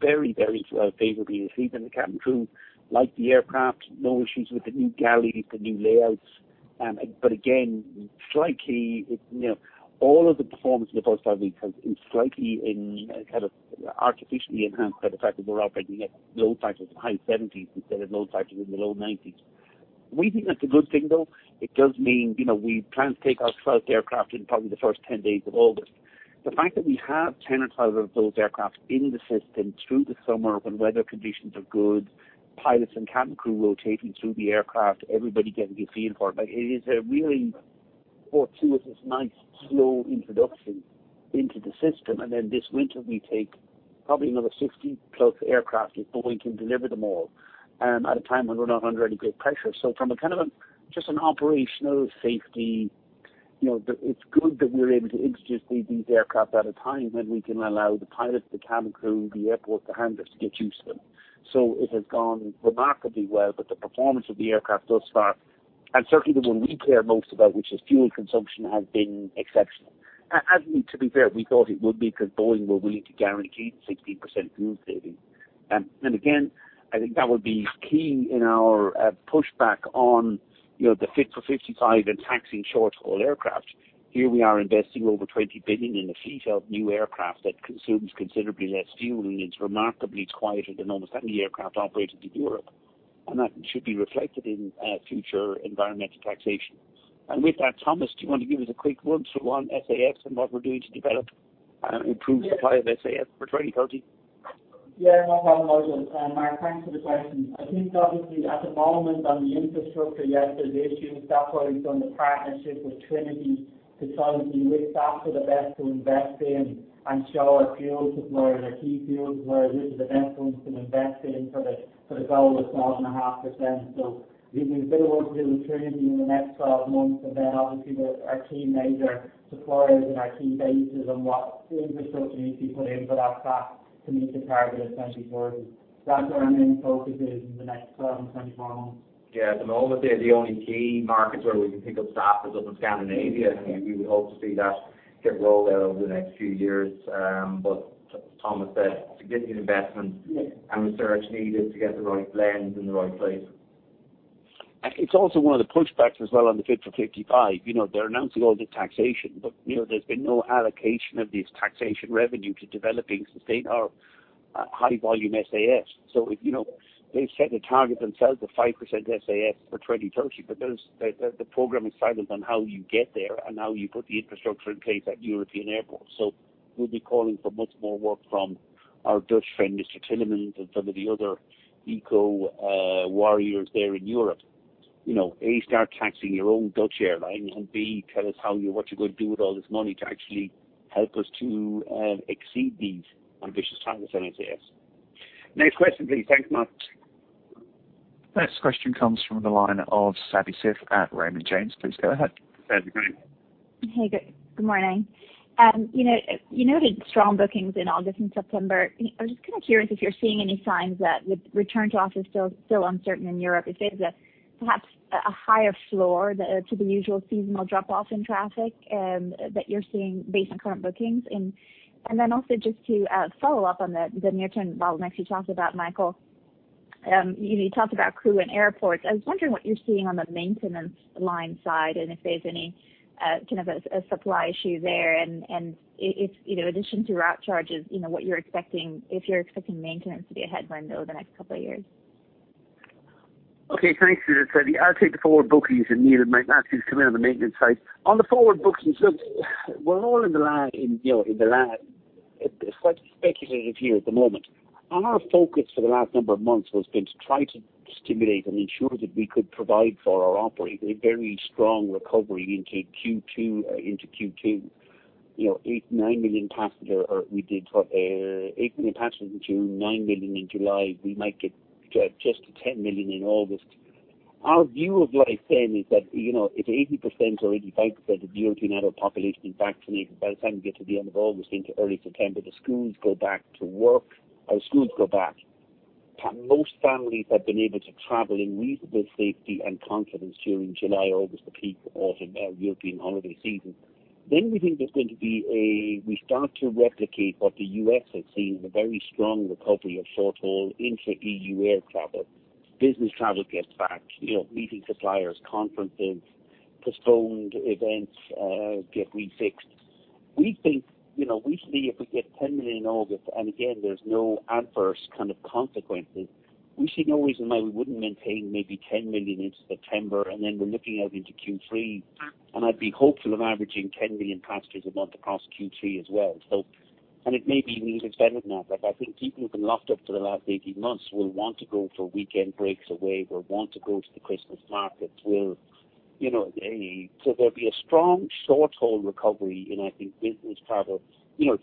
very, very well favorably received, and the cabin crew like the aircraft. No issues with the new galleys, the new layouts. Again, all of the performance in the first five weeks has been slightly kind of artificially enhanced by the fact that we're operating at load factors of high 70s instead of load factors in the low 90s. We think that's a good thing, though. It does mean we plan to take our 12th aircraft in probably the first 10 days of August. The fact that we have 10 or 12 of those aircraft in the system through the summer when weather conditions are good, pilots and cabin crew rotating through the aircraft, everybody getting a feel for it. It is a really, for us, this nice slow introduction into the system. This winter, we take probably another 60+ aircraft if Boeing can deliver them all, at a time when we're not under any great pressure. From a kind of just an operational safety, it's good that we're able to introduce these aircraft at a time when we can allow the pilots, the cabin crew, the airport, the handlers to get used to them. It has gone remarkably well. The performance of the aircraft thus far, and certainly the one we care most about, which is fuel consumption, has been exceptional. To be fair, we thought it would be because Boeing were willing to guarantee 16% fuel savings. Again, I think that would be key in our pushback on the Fit for 55 and taxing short-haul aircraft. Here we are investing over 20 billion in a fleet of new aircraft that consumes considerably less fuel and is remarkably quieter than almost any aircraft operating in Europe. That should be reflected in future environmental taxation. With that, Thomas, do you want to give us a quick run-through on SAF and what we're doing to develop and improve supply of SAF for 2030? Yeah, no problem at all. Mark, thanks for the question. I think obviously at the moment on the infrastructure, yes, there's issues. That's why we've done the partnership with Trinity to try and see with SAF are the best to invest in and show our fuel suppliers, our key fuel suppliers, which are the best ones to invest in for the goal of 12.5%. We've been working with Trinity in the next 12 months, and then obviously with our key major suppliers and our key bases on what infrastructure needs to be put in for that SAF to meet the target of 2030. That's where our main focus is in the next 12 and 24 months. Yeah, at the moment there, the only key markets where we can pick up SAF is up in Scandinavia. We would hope to see that get rolled out over the next few years. As Thomas said, significant investment and research needed to get the right blends in the right place. It's also one of the pushbacks as well on the Fit for 55. They're announcing all this taxation, but there's been no allocation of these taxation revenue to developing sustained or high-volume SAF. They've set the target themselves of 5% SAF for 2030, but the program is silent on how you get there and how you put the infrastructure in place at European airports. We'll be calling for much more work from our Dutch friend, Mr. Timmermans, and some of the other eco warriors there in Europe. A, start taxing your own Dutch airline. B, tell us what you're going to do with all this money to actually help us to exceed these ambitious targets on SAF. Next question, please. Thanks, Mark. Next question comes from the line of Savi Syth at Raymond James. Please go ahead. Sav, good morning. Good morning. You noted strong bookings in August and September. I was just curious if you're seeing any signs that with return to office still uncertain in Europe, if there's perhaps a higher floor to the usual seasonal drop-off in traffic that you're seeing based on current bookings. Also, just to follow up on the near-term bottlenecks you talked about, Michael. You talked about crew and airports. I was wondering what you're seeing on the maintenance line side and if there's any kind of a supply issue there and if in addition to route charges, if you're expecting maintenance to be a headwind over the next couple of years. Okay. Thanks for that, Savi. I'll take the forward bookings. Neil might actually come in on the maintenance side. On the forward bookings, look, we're all in the lab. It's quite speculative here at the moment. Our focus for the last number of months has been to try to stimulate and ensure that we could provide for our operators a very strong recovery into Q2. 8 million passengers in June, 9 million in July. We might get just to 10 million in August. Our view of life is that if 80% or 85% of the European adult population is vaccinated by the time we get to the end of August into early September, the schools go back to work. Our schools go back. Most families have been able to travel in reasonable safety and confidence during July, August, the peak autumn European holiday season. We think we start to replicate what the U.S. has seen, a very strong recovery of short-haul intra-EU air travel. Business travel gets back. Meeting suppliers, conferences, postponed events get refixed. We think weekly, if we get 10 million in August, and again, there's no adverse kind of consequences. We see no reason why we wouldn't maintain maybe 10 million into September, and we're looking out into Q3, and I'd be hopeful of averaging 10 million passengers a month across Q3 as well. It may be even better than that, but I think people who've been locked up for the last 18 months will want to go for weekend breaks away, will want to go to the Christmas markets. There'll be a strong short-haul recovery in, I think, business travel. There's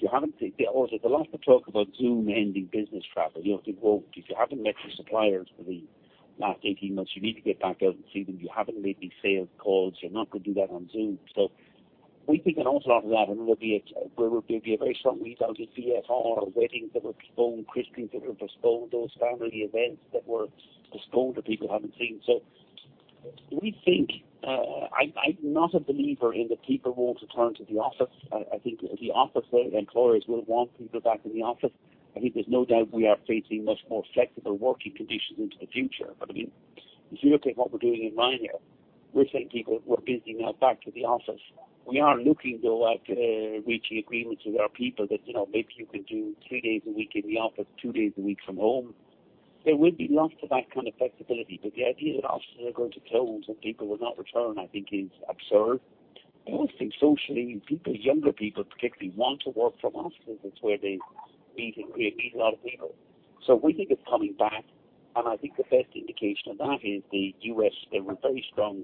a lot of talk about Zoom ending business travel. It won't. If you haven't met your suppliers for the last 18 months, you need to get back out and see them. You haven't made any sales calls. You're not going to do that on Zoom. We think an awful lot of that. There will be a very strong rebound in VFR or weddings that were postponed, christenings that are postponed, those family events that were postponed that people haven't seen. I'm not a believer in that people won't return to the office. I think the office employers will want people back in the office. I think there's no doubt we are facing much more flexible working conditions into the future. If you look at what we're doing in Ryanair, we're saying people, we're building now back to the office. We are looking, though, at reaching agreements with our people that maybe you can do three days a week in the office, two days a week from home. There will be lots of that kind of flexibility. The idea that offices are going to close and people will not return, I think, is absurd. I also think socially, people, younger people particularly, want to work from offices. It's where they meet a lot of people. We think it's coming back, and I think the best indication of that is the U.S. There was very strong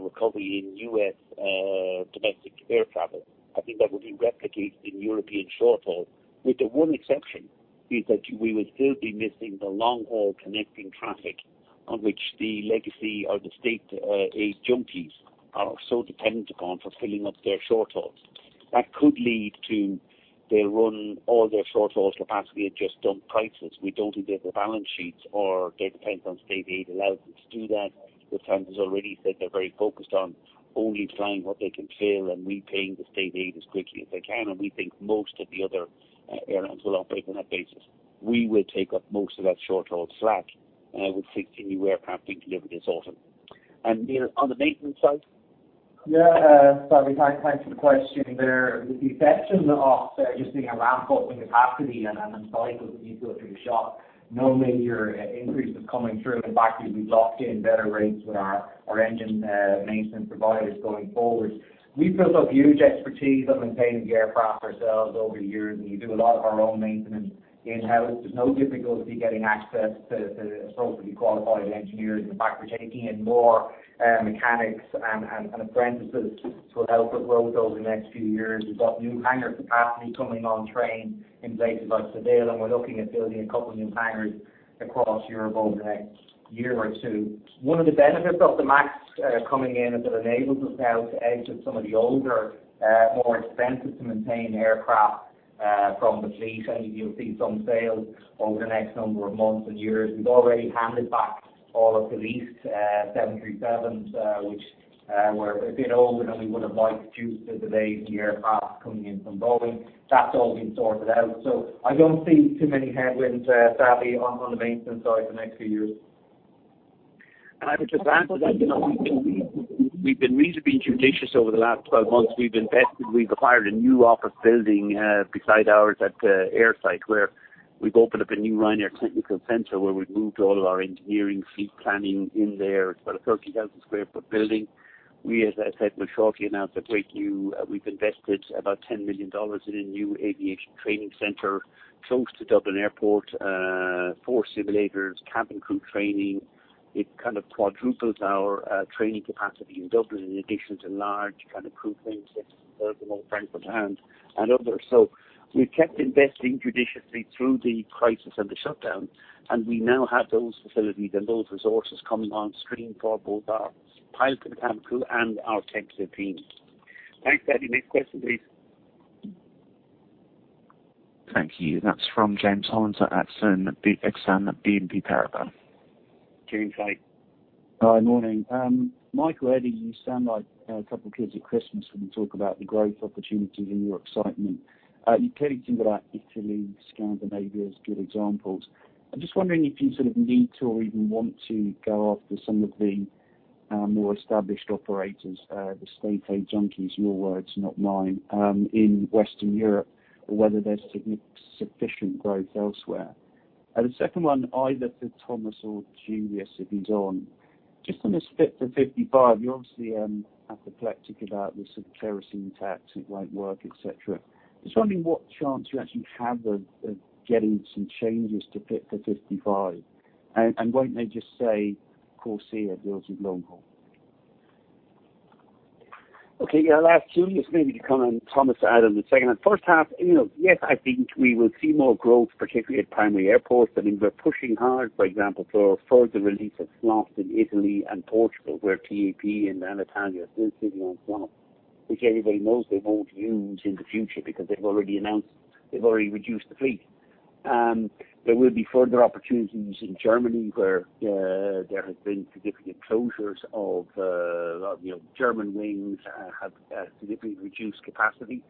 recovery in U.S. domestic air travel. I think that will be replicated in European short-haul, with the one exception is that we would still be missing the long-haul connecting traffic on which the legacy or the state aid junkies are so dependent upon for filling up their short hauls. That could lead to they run all their short hauls to capacity and just dump prices. We don't think they have the balance sheets, or they depend on state aid allowance to do that. As France already said, they're very focused on only flying what they can fill and repaying the state aid as quickly as they can, and we think most of the other airlines will operate on that basis. We will take up most of that short-haul slack, and I would think anywhere crafting delivery this autumn. Neil, on the maintenance side? Yeah. Savi, thanks for the question there. With the exception of just doing a ramp-up in capacity and cycles that you go through the shop, no major increases coming through. In fact, we've locked in better rates with our engine maintenance providers going forward. We've built up huge expertise of maintaining the aircraft ourselves over the years, and we do a lot of our own maintenance in-house. There's no difficulty getting access to appropriately qualified engineers. In fact, we're taking in more mechanics and apprentices to help us grow those in the next few years. We've got new hangar capacity coming on train in places like Seville, and we're looking at building a couple of new hangars across Europe over the next year or two. One of the benefits of the MAX coming in is it enables us now to exit some of the older, more expensive-to-maintain aircraft from the fleet. I think you'll see some sales over the next number of months and years. We've already handed back all of the leased 737s, which were a bit older than we would have liked due to the delayed aircraft coming in from Boeing. That's all been sorted out. I don't see too many headwinds, Savi, on the maintenance side for the next few years. I would just add to that, we've been reasonably judicious over the last 12 months. We've invested. We've acquired a new office building beside ours at the Airside, where we've opened up a new Ryanair technical center, where we've moved all of our engineering fleet planning in there. It's about a 30,000 sq ft building. We, as I said, will shortly announce. We've invested about EUR 10 million in a new aviation training center close to Dublin Airport. Four simulators, cabin crew training. It kind of quadruples our training capacity in Dublin in addition to large kind of crew training centers in Bergamo, Frankfurt, and others. We've kept investing judiciously through the crisis and the shutdown, and we now have those facilities and those resources coming on stream for both our pilot and cabin crew and our technical team. Thanks, Eddie. Next question, please. Thank you. That's from James Hollins at Exane BNP Paribas. James, hi. Hi, morning. Michael, Eddie, you sound like a couple of kids at Christmas when you talk about the growth opportunities and your excitement. You clearly think about Italy, Scandinavia as good examples. I'm just wondering if you sort of need to, or even want to go after some of the more established operators, the state aid junkies, your words, not mine, in Western Europe, or whether there's sufficient growth elsewhere. The second one, either for Thomas or Juliusz, if he's on. On this Fit for 55, you're obviously apoplectic about the sort of kerosene tax, it won't work, et cetera. Wondering what chance you actually have of getting some changes to Fit for 55, and won't they just say, "CORSIA deals with long-haul? Okay, yeah. I'll ask Juliusz maybe to comment and Thomas to add on the second. First half, yes, I think we will see more growth, particularly at primary airports. I mean, we're pushing hard, for example, for further release of slots in Italy and Portugal, where TAP and ANA are still sitting on some of them, which anybody knows they won't use in the future because they've already reduced the fleet. There will be further opportunities in Germany, where there has been significant closures of Germanwings have significantly reduced capacity.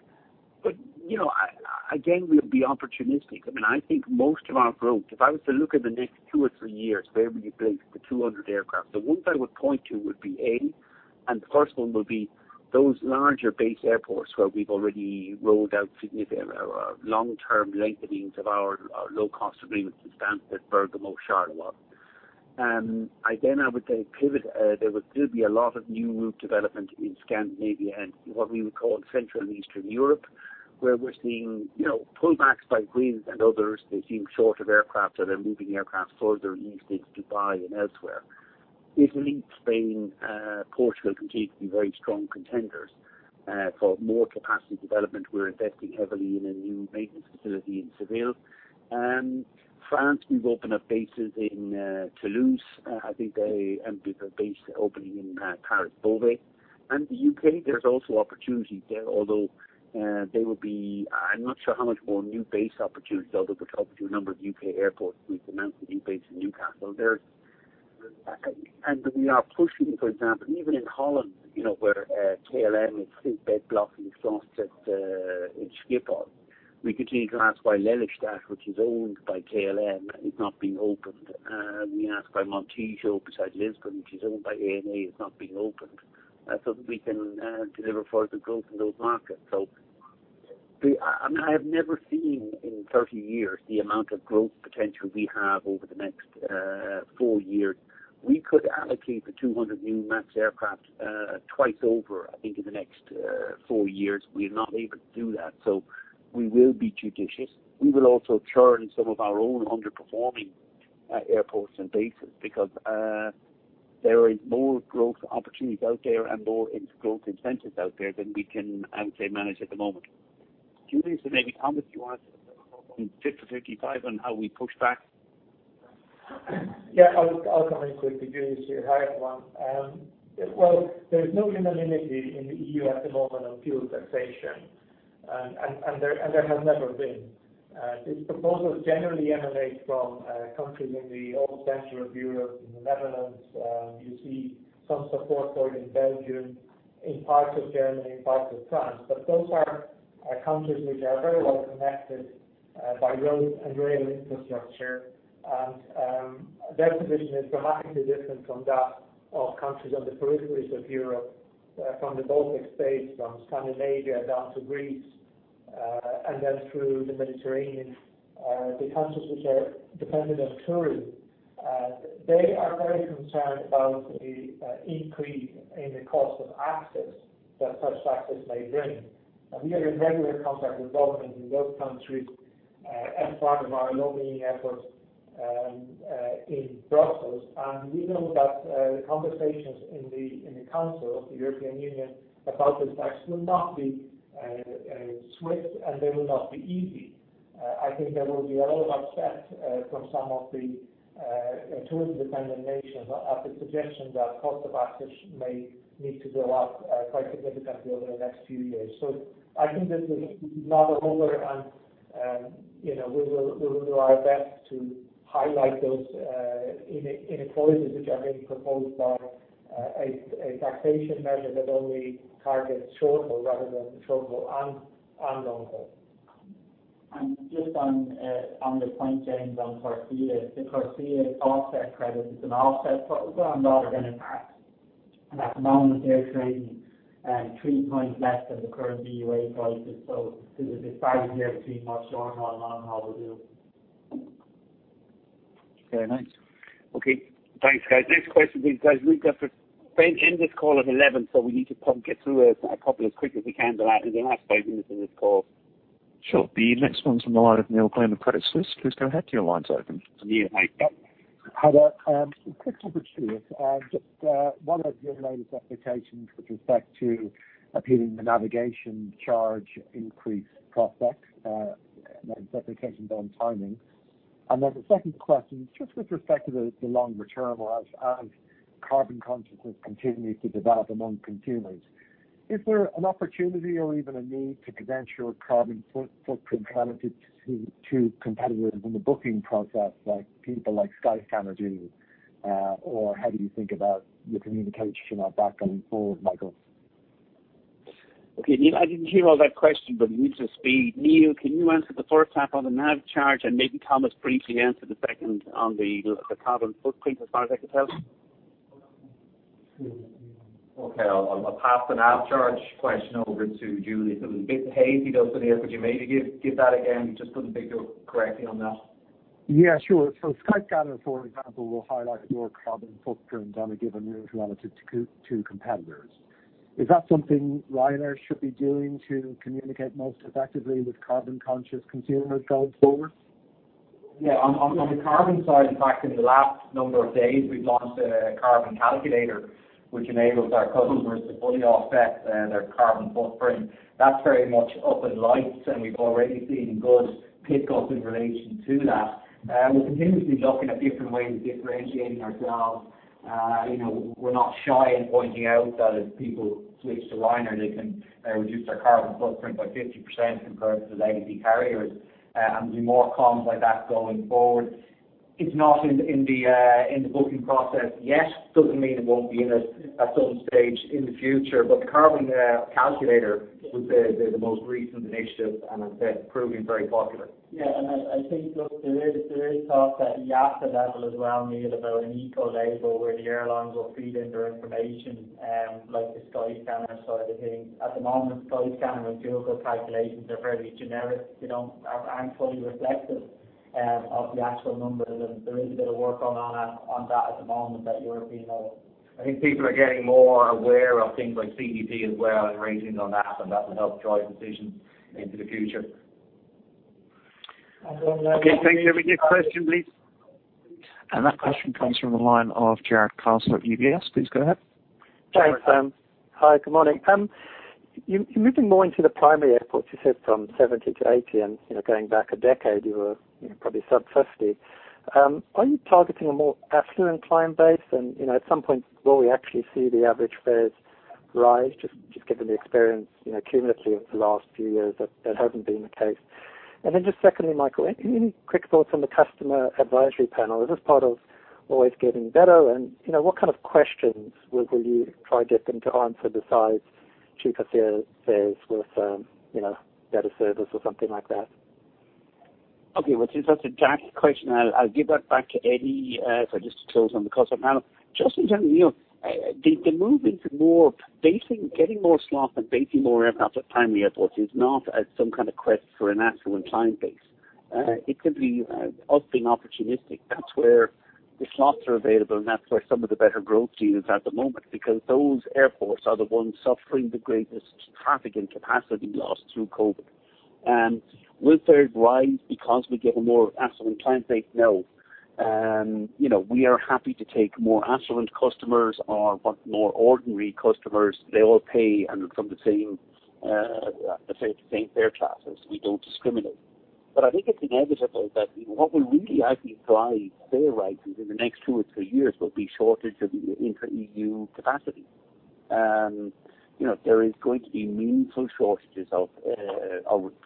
Again, we'll be opportunistic. I think most of our growth, if I was to look at the next two or three years, where will you place the 200 aircraft? The ones I would point to would be the first one would be those larger base airports where we've already rolled out significant long-term lengthenings of our low-cost agreements with Stansted, Bergamo, Charleroi. I would say pivot. There will still be a lot of new route development in Scandinavia and what we would call central and Eastern Europe, where we're seeing pullbacks by Wizz and others. They seem short of aircraft, they're moving aircraft further east into Dubai and elsewhere. Italy, Spain, Portugal continue to be very strong contenders for more capacity development. We're investing heavily in a new maintenance facility in Seville. France, we've opened up bases in Toulouse. I think they emptied the base opening in Paris-Beauvais. The U.K., there's also opportunities there, although I'm not sure how much more new base opportunities there are. There could be a number of U.K. airports. We've announced a new base in Newcastle. We are pushing, for example, even in Holland, where KLM is still bed blocking slots at Schiphol. We continue to ask why Lelystad, which is owned by KLM, is not being opened. We ask why Montijo beside Lisbon, which is owned by ANA, is not being opened so that we can deliver further growth in those markets. I have never seen in 30 years the amount of growth potential we have over the next four years. We could allocate the 200 new MAX aircraft twice over, I think, in the next four years. We're not able to do that, so we will be judicious. We will also churn some of our own underperforming airports and bases because there is more growth opportunities out there and more growth incentives out there than we can, I would say, manage at the moment. Juliusz or maybe Thomas, you want to comment on Fit for 55 and how we push back? Yeah, I'll come in quickly. Juliusz here. Hi, everyone. There's no unanimity in the EU at the moment on fuel taxation, and there has never been. These proposals generally emanate from countries in the old Central Europe, in the Netherlands. You see some support for it in Belgium, in parts of Germany, in parts of France. Those are countries which are very well connected by road and rail infrastructure, and their position is dramatically different from that of countries on the peripheries of Europe, from the Baltic State, from Scandinavia down to Greece, and then through the Mediterranean. The countries which are dependent on tourism they are very concerned about the increase in the cost of access that such taxes may bring. We are in regular contact with governments in those countries as part of our lobbying efforts in Brussels. We know that the conversations in the Council of the European Union about this tax will not be swift, and they will not be easy. I think there will be a lot of upset from some of the tourism-dependent nations at the suggestion that cost of access may need to go up quite significantly over the next few years. I think this is not over, and we will do our best to highlight those inequalities which are being proposed by a taxation measure that only targets short-haul rather than short-haul and long-haul. Just on your point, James, on CORSIA. The CORSIA offset credit is an offset program rather than impact. At the moment they're trading three points less than the current EUA prices. There's a disparity there between what's going on and how we do. Very nice. Okay. Thanks, guys. Next question, please, guys. We've got to end this call at 11. We need to probably get through a couple as quick as we can. There's the last five minutes of this call. Sure. The next one's from the line of Neil Glynn of Credit Suisse. Please go ahead, your line's open. It's Neil. Hi there. Two quick topics here. Just one of your latest applications with respect to appealing the navigation charge increase prospect. Then some applications on timing. The second question, just with respect to the long return as carbon consciousness continues to develop among consumers. Is there an opportunity or even a need to credential a carbon footprint relative to competitors in the booking process, like people like Skyscanner do? How do you think about your communication going forward, Michael? Okay. Neil, I didn't hear all that question, but we need to speed. Neil, can you answer the first half on the nav charge, and maybe Thomas briefly answer the second on the carbon footprint, as far as I can tell? Okay. I'll pass the ATC charge question over to Juliusz. It was a bit hazy though, could you maybe give that again? Just couldn't pick it up correctly on that. Yeah, sure. Skyscanner, for example, will highlight your carbon footprint on a given route relative to competitors. Is that something Ryanair should be doing to communicate most effectively with carbon-conscious consumers going forward? Yeah. On the carbon side, in fact, in the last number of days, we've launched a carbon calculator, which enables our customers to fully offset their carbon footprint. That's very much up and live, and we've already seen good take-up in relation to that. We're continuously looking at different ways of differentiating ourselves. We're not shy in pointing out that if people switch to Ryanair, they can reduce their carbon footprint by 50% compared to the legacy carriers, and there'll be more comms like that going forward. It's not in the booking process yet. Doesn't mean it won't be in it at some stage in the future. The carbon calculator was the most recent initiative, and I'd say it's proving very popular. Yeah. I think, look, there is talk at the IATA level as well, Neil, about an eco label where the airlines will feed in their information, like the Skyscanner side of things. At the moment, Skyscanner and Google calculations are very generic. They aren't fully reflective of the actual numbers, and there is a bit of work going on that at the moment at European level. I think people are getting more aware of things like CDP as well, and ratings on that, and that will help drive decisions into the future. And then- Okay, thanks. Can we get the next question, please? That question comes from the line of Jarrod Castle at UBS. Please go ahead. Jarrod. James. Hi, good morning. You're moving more into the primary airports, you said from 70 to 80 and going back a decade, you were probably sub 50. Are you targeting a more affluent client base? At some point, will we actually see the average fares rise? Just given the experience cumulatively over the last few years, that hasn't been the case. Then just secondly, Michael, any quick thoughts on the customer advisory panel? Is this part of Always Getting Better? What kind of questions will you try get them to answer besides cheaper sales with better service or something like that? Okay. Well since that's a jack question, I'll give that back to Eddie for just to close on the call. Now, just in general, Neil, the move into getting more slots and basing more aircraft at primary airports is not some kind of quest for an affluent client base. It's simply us being opportunistic. That's where the slots are available, and that's where some of the better growth is at the moment because those airports are the ones suffering the greatest traffic and capacity loss through COVID. Will fares rise because we get a more affluent client base? No. We are happy to take more affluent customers or more ordinary customers. They all pay from the same fare classes. We don't discriminate. I think it's inevitable that what will really actually drive fare rises in the next two or three years will be shortage of intra-EU capacity. There is going to be meaningful shortages of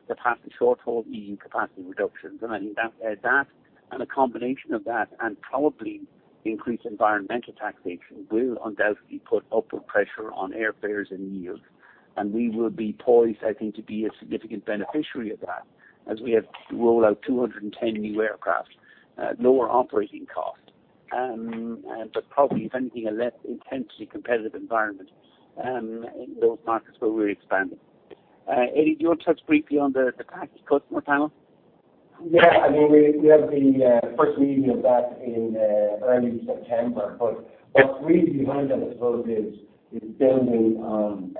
capacity short-haul EU capacity reductions. I think that and a combination of that and probably increased environmental taxation will undoubtedly put upward pressure on airfares and yields. We will be poised, I think, to be a significant beneficiary of that as we roll out 210 new aircraft at lower operating cost. Probably, if anything, a less intensely competitive environment in those markets where we're expanding. Eddie, do you want to touch briefly on the customer panel? Yeah. We have the first meeting of that in early September. Really behind that, I suppose, is building on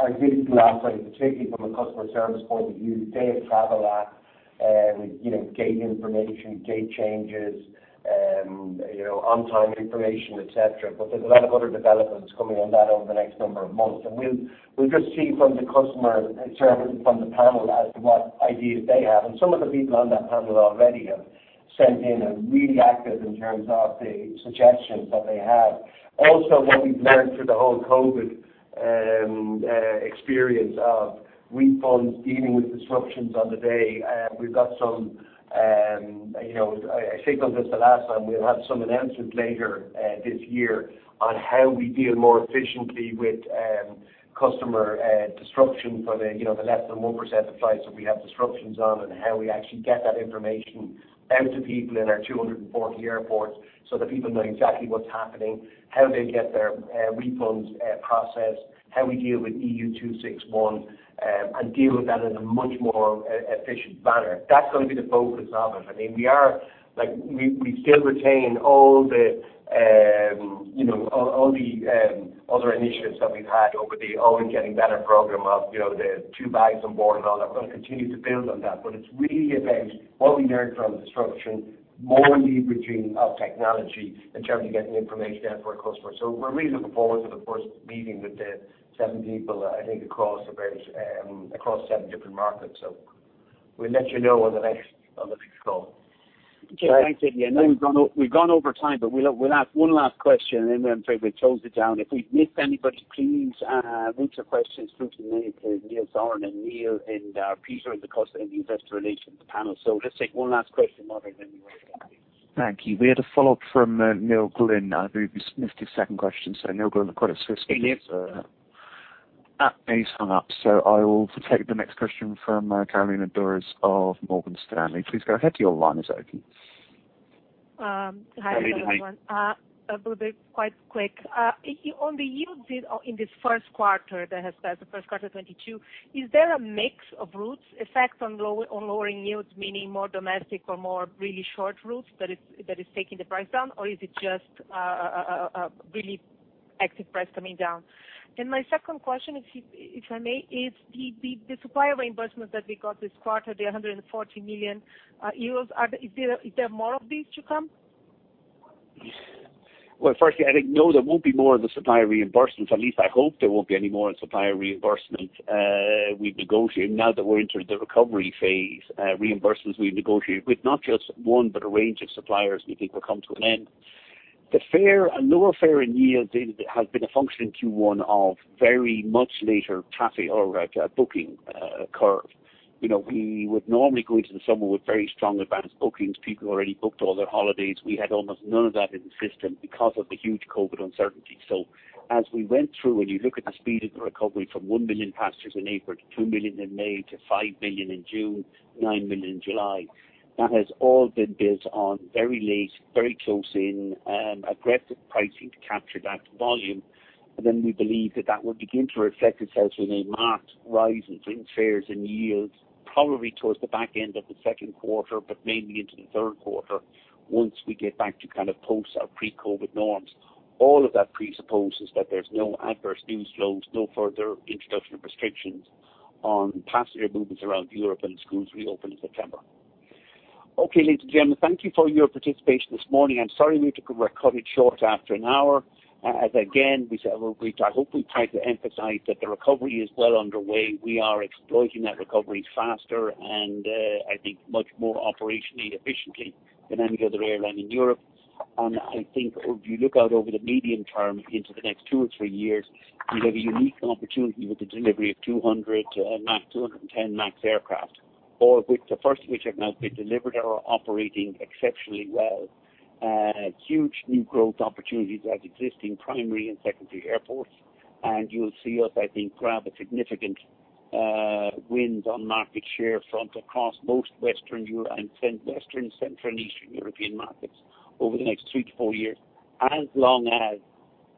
our digital offering, particularly from a customer service point of view. Day to travel app with gate information, gate changes, on time information, et cetera. There's a lot of other developments coming on that over the next number of months. We'll just see from the customer service, from the panel as to what ideas they have. Some of the people on that panel already have sent in and really active in terms of the suggestions that they have. Also, what we've learned through the whole COVID experience of refunds, dealing with disruptions on the day. We've got some, I think on this the last time, we'll have some announcements later this year on how we deal more efficiently with customer disruption for the less than 1% of flights that we have disruptions on, and how we actually get that information out to people in our 240 airports so that people know exactly what's happening. How they get their refunds processed, how we deal with EU261, and deal with that in a much more efficient manner. That's going to be the focus of it. We still retain all the other initiatives that we've had over the Always Getting Better program of the two bags on board and all that. We're going to continue to build on that. It's really about what we learned from disruption, more leveraging of technology in terms of getting information out for our customers. We're really looking forward to the first meeting with the seven people, I think, across seven different markets. We'll let you know on the next call. Okay. Thanks, Eddie. I know we've gone over time, but we'll have one last question and then I'm afraid we'll close it down. If we've missed anybody, please route your questions through to me, to Neil Sorahan, and Neil and Peter in the customer investor relations panel. Let's take one last question, Marvin, then we will wrap up. Thank you. We had a follow-up from Neil Glynn, I believe you missed his second question. Neil Glynn of Credit Suisse. Hey, Neil. He's hung up, so I will take the next question from Carolina Dores of Morgan Stanley. Please go ahead, your line is open. Hi everyone. Carolina. I'll be quite quick. On the yields in this first quarter that has started, the first quarter of 2022, is there a mix of routes effect on lowering yields, meaning more domestic or more really short routes that is taking the price down? Or is it just a really active price coming down? My second question, if I may, is the supplier reimbursement that we got this quarter, the 140 million euros. Is there more of these to come? Well, firstly, I think, no, there won't be more of the supplier reimbursements. At least I hope there won't be any more supplier reimbursements. We've negotiated, now that we're into the recovery phase, reimbursements we've negotiated with not just one, but a range of suppliers, we think will come to an end. The lower fare in yield has been a function in Q1 of very much later traffic or booking curve. We would normally go into the summer with very strong advanced bookings. People already booked all their holidays. We had almost none of that in the system because of the huge COVID uncertainty. As we went through, when you look at the speed of the recovery from 1 million passengers in April to 2 million in May, to 5 million in June, 9 million in July, that has all been built on very late, very close in, aggressive pricing to capture that volume. We believe that that will begin to reflect itself in a marked rise in fares and yields probably towards the back end of the second quarter, but mainly into the third quarter once we get back to kind of post our pre-COVID norms. All of that presupposes that there's no adverse news flows, no further introduction of restrictions on passenger movements around Europe, and schools reopen in September. Okay, ladies and gentlemen, thank you for your participation this morning. I'm sorry we had to cut it short after an hour. As again, I hope we tried to emphasize that the recovery is well underway. We are exploiting that recovery faster and I think much more operationally efficiently than any other airline in Europe. I think if you look out over the medium term into the next two or three years, we have a unique opportunity with the delivery of 210 MAX aircraft, all of which the first of which have now been delivered are operating exceptionally well. Huge new growth opportunities at existing primary and secondary airports. You'll see us, I think, grab a significant wins on market share front across most Western, Central, and Eastern European markets over the next two to four years. As long as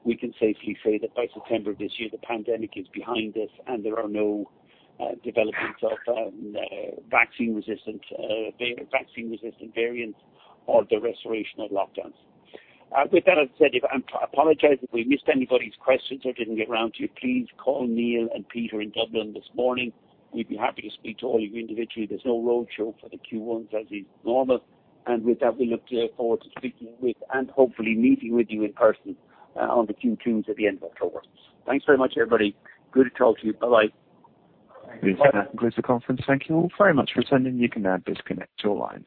we can safely say that by September of this year, the pandemic is behind us and there are no developments of vaccine-resistant variants or the restoration of lockdowns. With that, as I said, I apologize if we missed anybody's questions or didn't get around to you. Please call Neil and Peter in Dublin this morning. We'd be happy to speak to all of you individually. There's no roadshow for the Q1 as is normal. With that, we look forward to speaking with and hopefully meeting with you in person on the Q2 at the end of October. Thanks very much, everybody. Good to talk to you. Bye-bye. That concludes the conference. Thank you all very much for attending. You can now disconnect your lines.